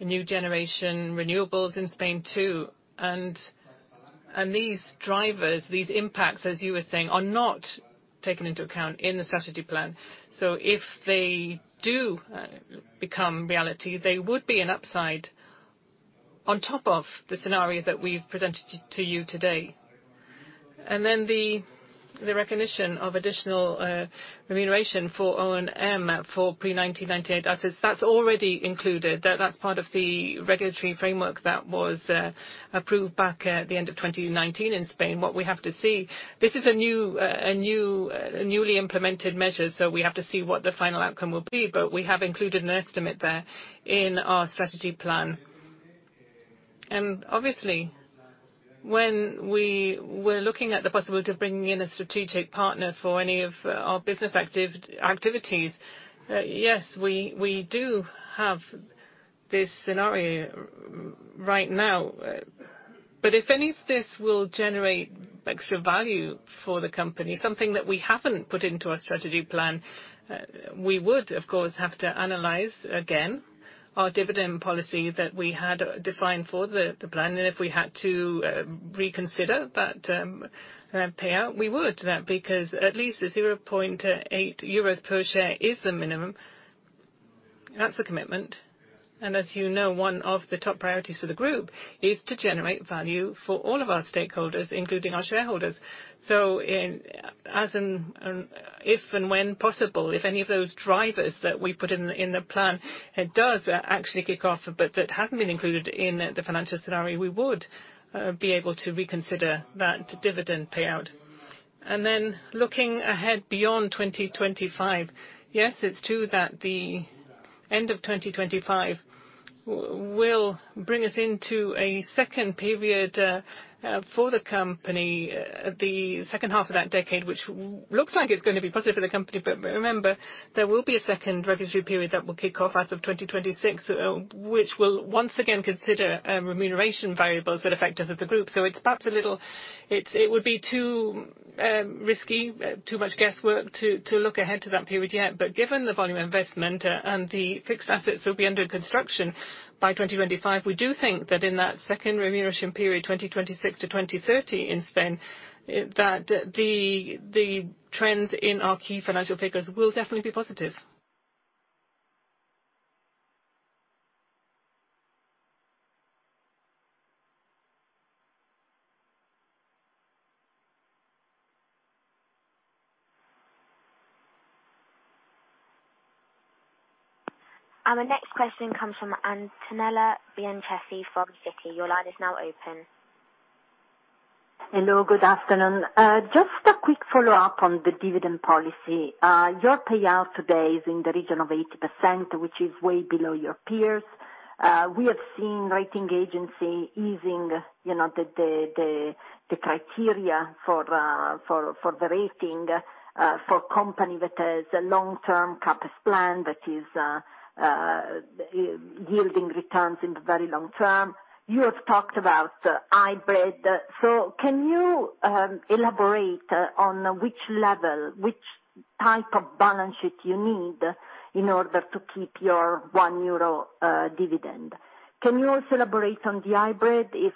new generation renewables in Spain too, and these drivers, these impacts, as you were saying, are not taken into account in the strategy plan, so if they do become reality, they would be an upside on top of the scenario that we've presented to you today, and then the recognition of additional remuneration for O&M for pre-1998, that's already included. That's part of the regulatory framework that was approved back at the end of 2019 in Spain. What we have to see, this is a newly implemented measure, so we have to see what the final outcome will be, but we have included an estimate there in our strategy plan, and obviously, when we were looking at the possibility of bringing in a strategic partner for any of our business activities, yes, we do have this scenario right now. But if any of this will generate extra value for the company, something that we haven't put into our strategy plan, we would, of course, have to analyze again our dividend policy that we had defined for the plan, and if we had to reconsider that payout, we would, because at least the 0.8 euros per share is the minimum. That's a commitment, and as you know, one of the top priorities of the group is to generate value for all of our stakeholders, including our shareholders. So if and when possible, if any of those drivers that we put in the plan does actually kick off, but that hasn't been included in the financial scenario, we would be able to reconsider that dividend payout. And then looking ahead beyond 2025, yes, it's true that the end of 2025 will bring us into a second period for the company, the second half of that decade, which looks like it's going to be positive for the company. But remember, there will be a second regulatory period that will kick off as of 2026, which will once again consider remuneration variables that affect us as a group. So it's perhaps a little, it would be too risky, too much guesswork to look ahead to that period yet. But given the volume investment and the fixed assets will be under construction by 2025, we do think that in that second remuneration period, 2026 to 2030 in Spain, that the trends in our key financial figures will definitely be positive. Our next question comes from Antonella Bianchessi from Citi. Your line is now open. Hello, good afternoon. Just a quick follow-up on the dividend policy. Your payout today is in the region of 80%, which is way below your peers. We have seen rating agency easing the criteria for the rating for a company that has a long-term CapEx plan that is yielding returns in the very long term. You have talked about hybrid. So can you elaborate on which level, which type of balance sheet you need in order to keep your 1 euro dividend? Can you also elaborate on the hybrid, if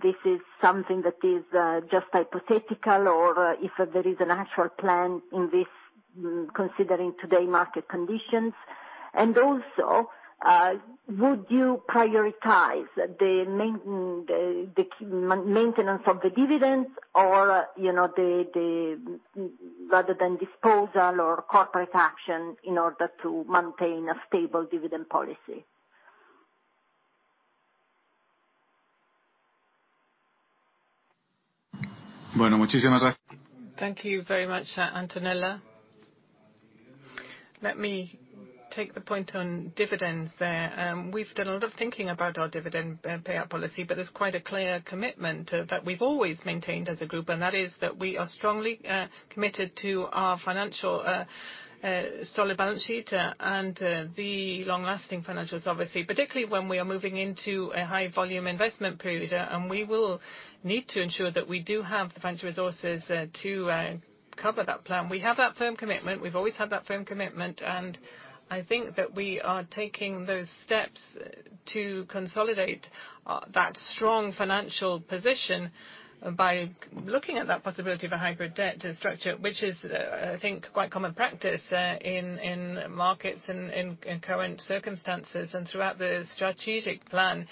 this is something that is just hypothetical or if there is an actual plan in this, considering today's market conditions? And also, would you prioritize the maintenance of the dividend or rather than disposal or corporate action in order to maintain a stable dividend policy? Bueno, muchísimas gracias. Thank you very much, Antonella. Let me take the point on dividends there. We've done a lot of thinking about our dividend payout policy, but there's quite a clear commitment that we've always maintained as a group, and that is that we are strongly committed to our financial solid balance sheet and the long-lasting financials, obviously, particularly when we are moving into a high-volume investment period. And we will need to ensure that we do have the financial resources to cover that plan. We have that firm commitment. We've always had that firm commitment. I think that we are taking those steps to consolidate that strong financial position by looking at that possibility of a hybrid debt structure, which is, I think, quite common practice in markets in current circumstances and throughout the strategic plan.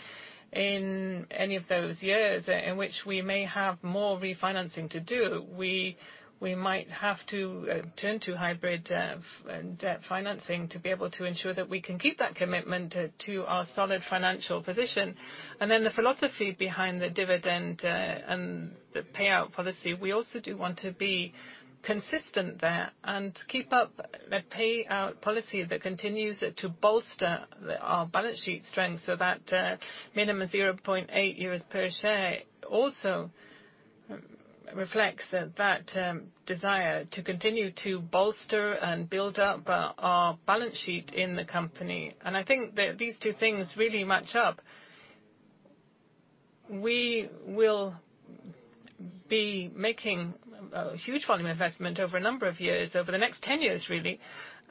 In any of those years in which we may have more refinancing to do, we might have to turn to hybrid debt financing to be able to ensure that we can keep that commitment to our solid financial position. The philosophy behind the dividend and the payout policy is that we also do want to be consistent there and keep up a payout policy that continues to bolster our balance sheet strength so that minimum 0.8 euros per share also reflects that desire to continue to bolster and build up our balance sheet in the company. I think that these two things really match up. We will be making a huge volume investment over a number of years, over the next 10 years, really.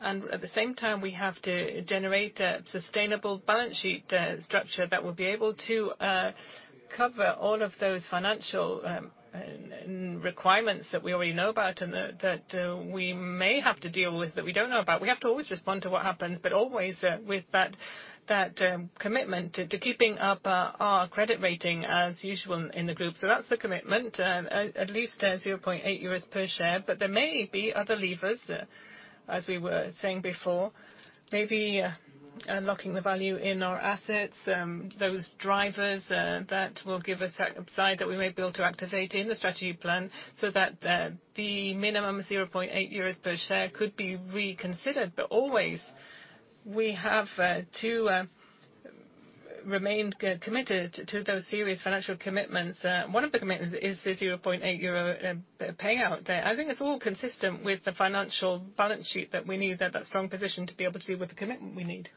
At the same time, we have to generate a sustainable balance sheet structure that will be able to cover all of those financial requirements that we already know about and that we may have to deal with that we don't know about. We have to always respond to what happens, but always with that commitment to keeping up our credit rating as usual in the group. That's the commitment, at least 0.8 euros per share. There may be other levers, as we were saying before, maybe unlocking the value in our assets, those drivers that will give us a side that we may be able to activate in the strategy plan so that the minimum 0.8 euros per share could be reconsidered. But always, we have to remain committed to those serious financial commitments. One of the commitments is the 0.8 euro payout. I think it's all consistent with the financial balance sheet that we need, that strong position to be able to do with the commitment we need.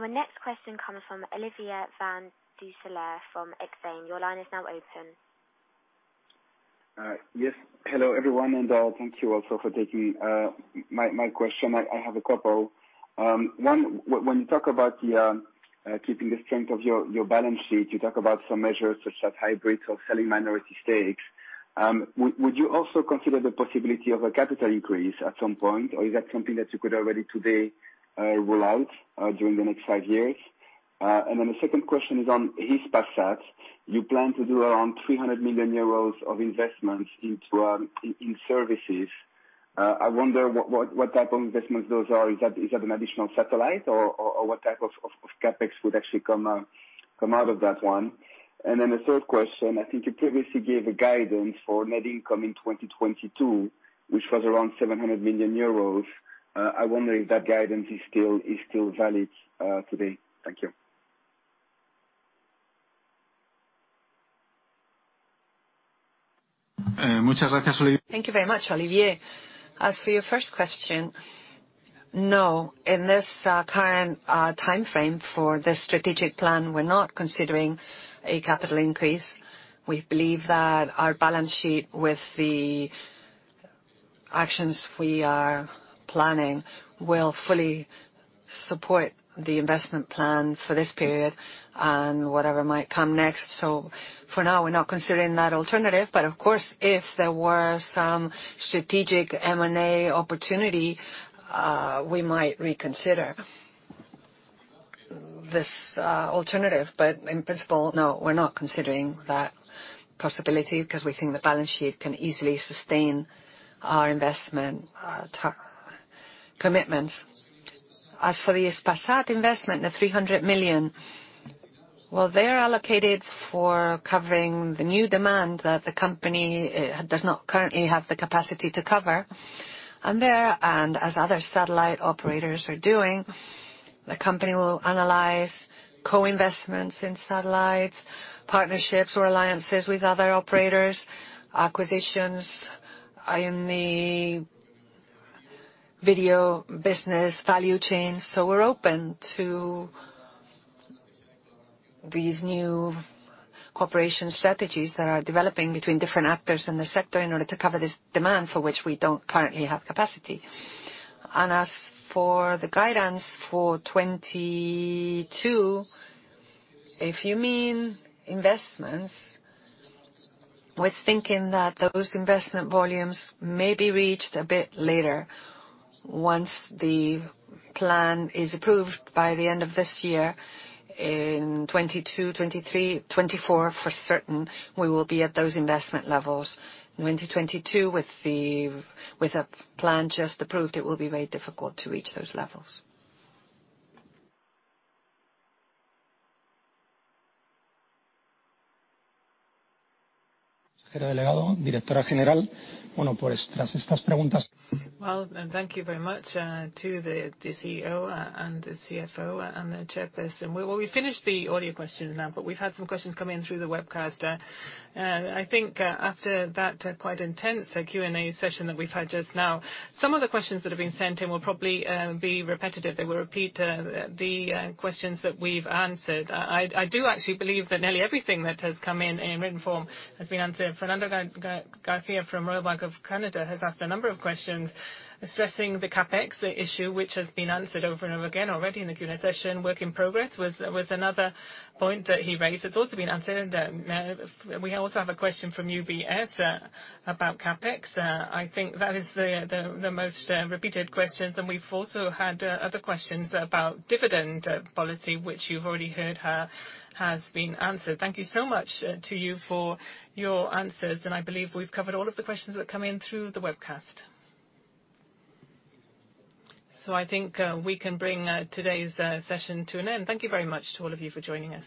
Our next question comes from Olivia Van Dusselaer from Exane. Your line is now open. Yes, hello everyone, and thank you also for taking my question. I have a couple. One, when you talk about keeping the strength of your balance sheet, you talk about some measures such as hybrids or selling minority stakes. Would you also consider the possibility of a capital increase at some point, or is that something that you could already today rule out during the next five years? And then the second question is on Hispasat. You plan to do around 300 million euros of investments in services. I wonder what type of investments those are. Is that an additional satellite, or what type of CapEx would actually come out of that one? And then the third question, I think you previously gave a guidance for net income in 2022, which was around 700 million euros. I wonder if that guidance is still valid today. Thank you. Muchas gracias, Olivia. Thank you very much, Olivia. As for your first question, no, in this current timeframe for the strategic plan, we're not considering a capital increase. We believe that our balance sheet with the actions we are planning will fully support the investment plan for this period and whatever might come next. So for now, we're not considering that alternative. But of course, if there were some strategic M&A opportunity, we might reconsider this alternative. But in principle, no, we're not considering that possibility because we think the balance sheet can easily sustain our investment commitments. As for the Hispasat investment, the 300 million, well, they're allocated for covering the new demand that the company does not currently have the capacity to cover. And there, and as other satellite operators are doing, the company will analyze co-investments in satellites, partnerships or alliances with other operators, acquisitions in the video business value chain. So we're open to these new cooperation strategies that are developing between different actors in the sector in order to cover this demand for which we don't currently have capacity. And as for the guidance for 2022, if you mean investments, we're thinking that those investment volumes may be reached a bit later once the plan is approved by the end of this year. In 2022, 2023, 2024, for certain, we will be at those investment levels. In 2022, with a plan just approved, it will be very difficult to reach those levels. Señora delegado, directora general, bueno, pues tras estas preguntas. Well, thank you very much to the CEO and the CFO and the chairperson. We've finished the audio questions now, but we've had some questions come in through the webcast. I think after that quite intense Q&A session that we've had just now, some of the questions that have been sent in will probably be repetitive. They will repeat the questions that we've answered. I do actually believe that nearly everything that has come in in written form has been answered. Fernando García from Royal Bank of Canada has asked a number of questions stressing the CapEx issue, which has been answered over and over again already in the Q&A session. Work in progress was another point that he raised. It's also been answered. We also have a question from UBS about CapEx. I think that is the most repeated question. And we've also had other questions about dividend policy, which you've already heard has been answered. Thank you so much to you for your answers. And I believe we've covered all of the questions that come in through the webcast. So I think we can bring today's session to an end. Thank you very much to all of you for joining us.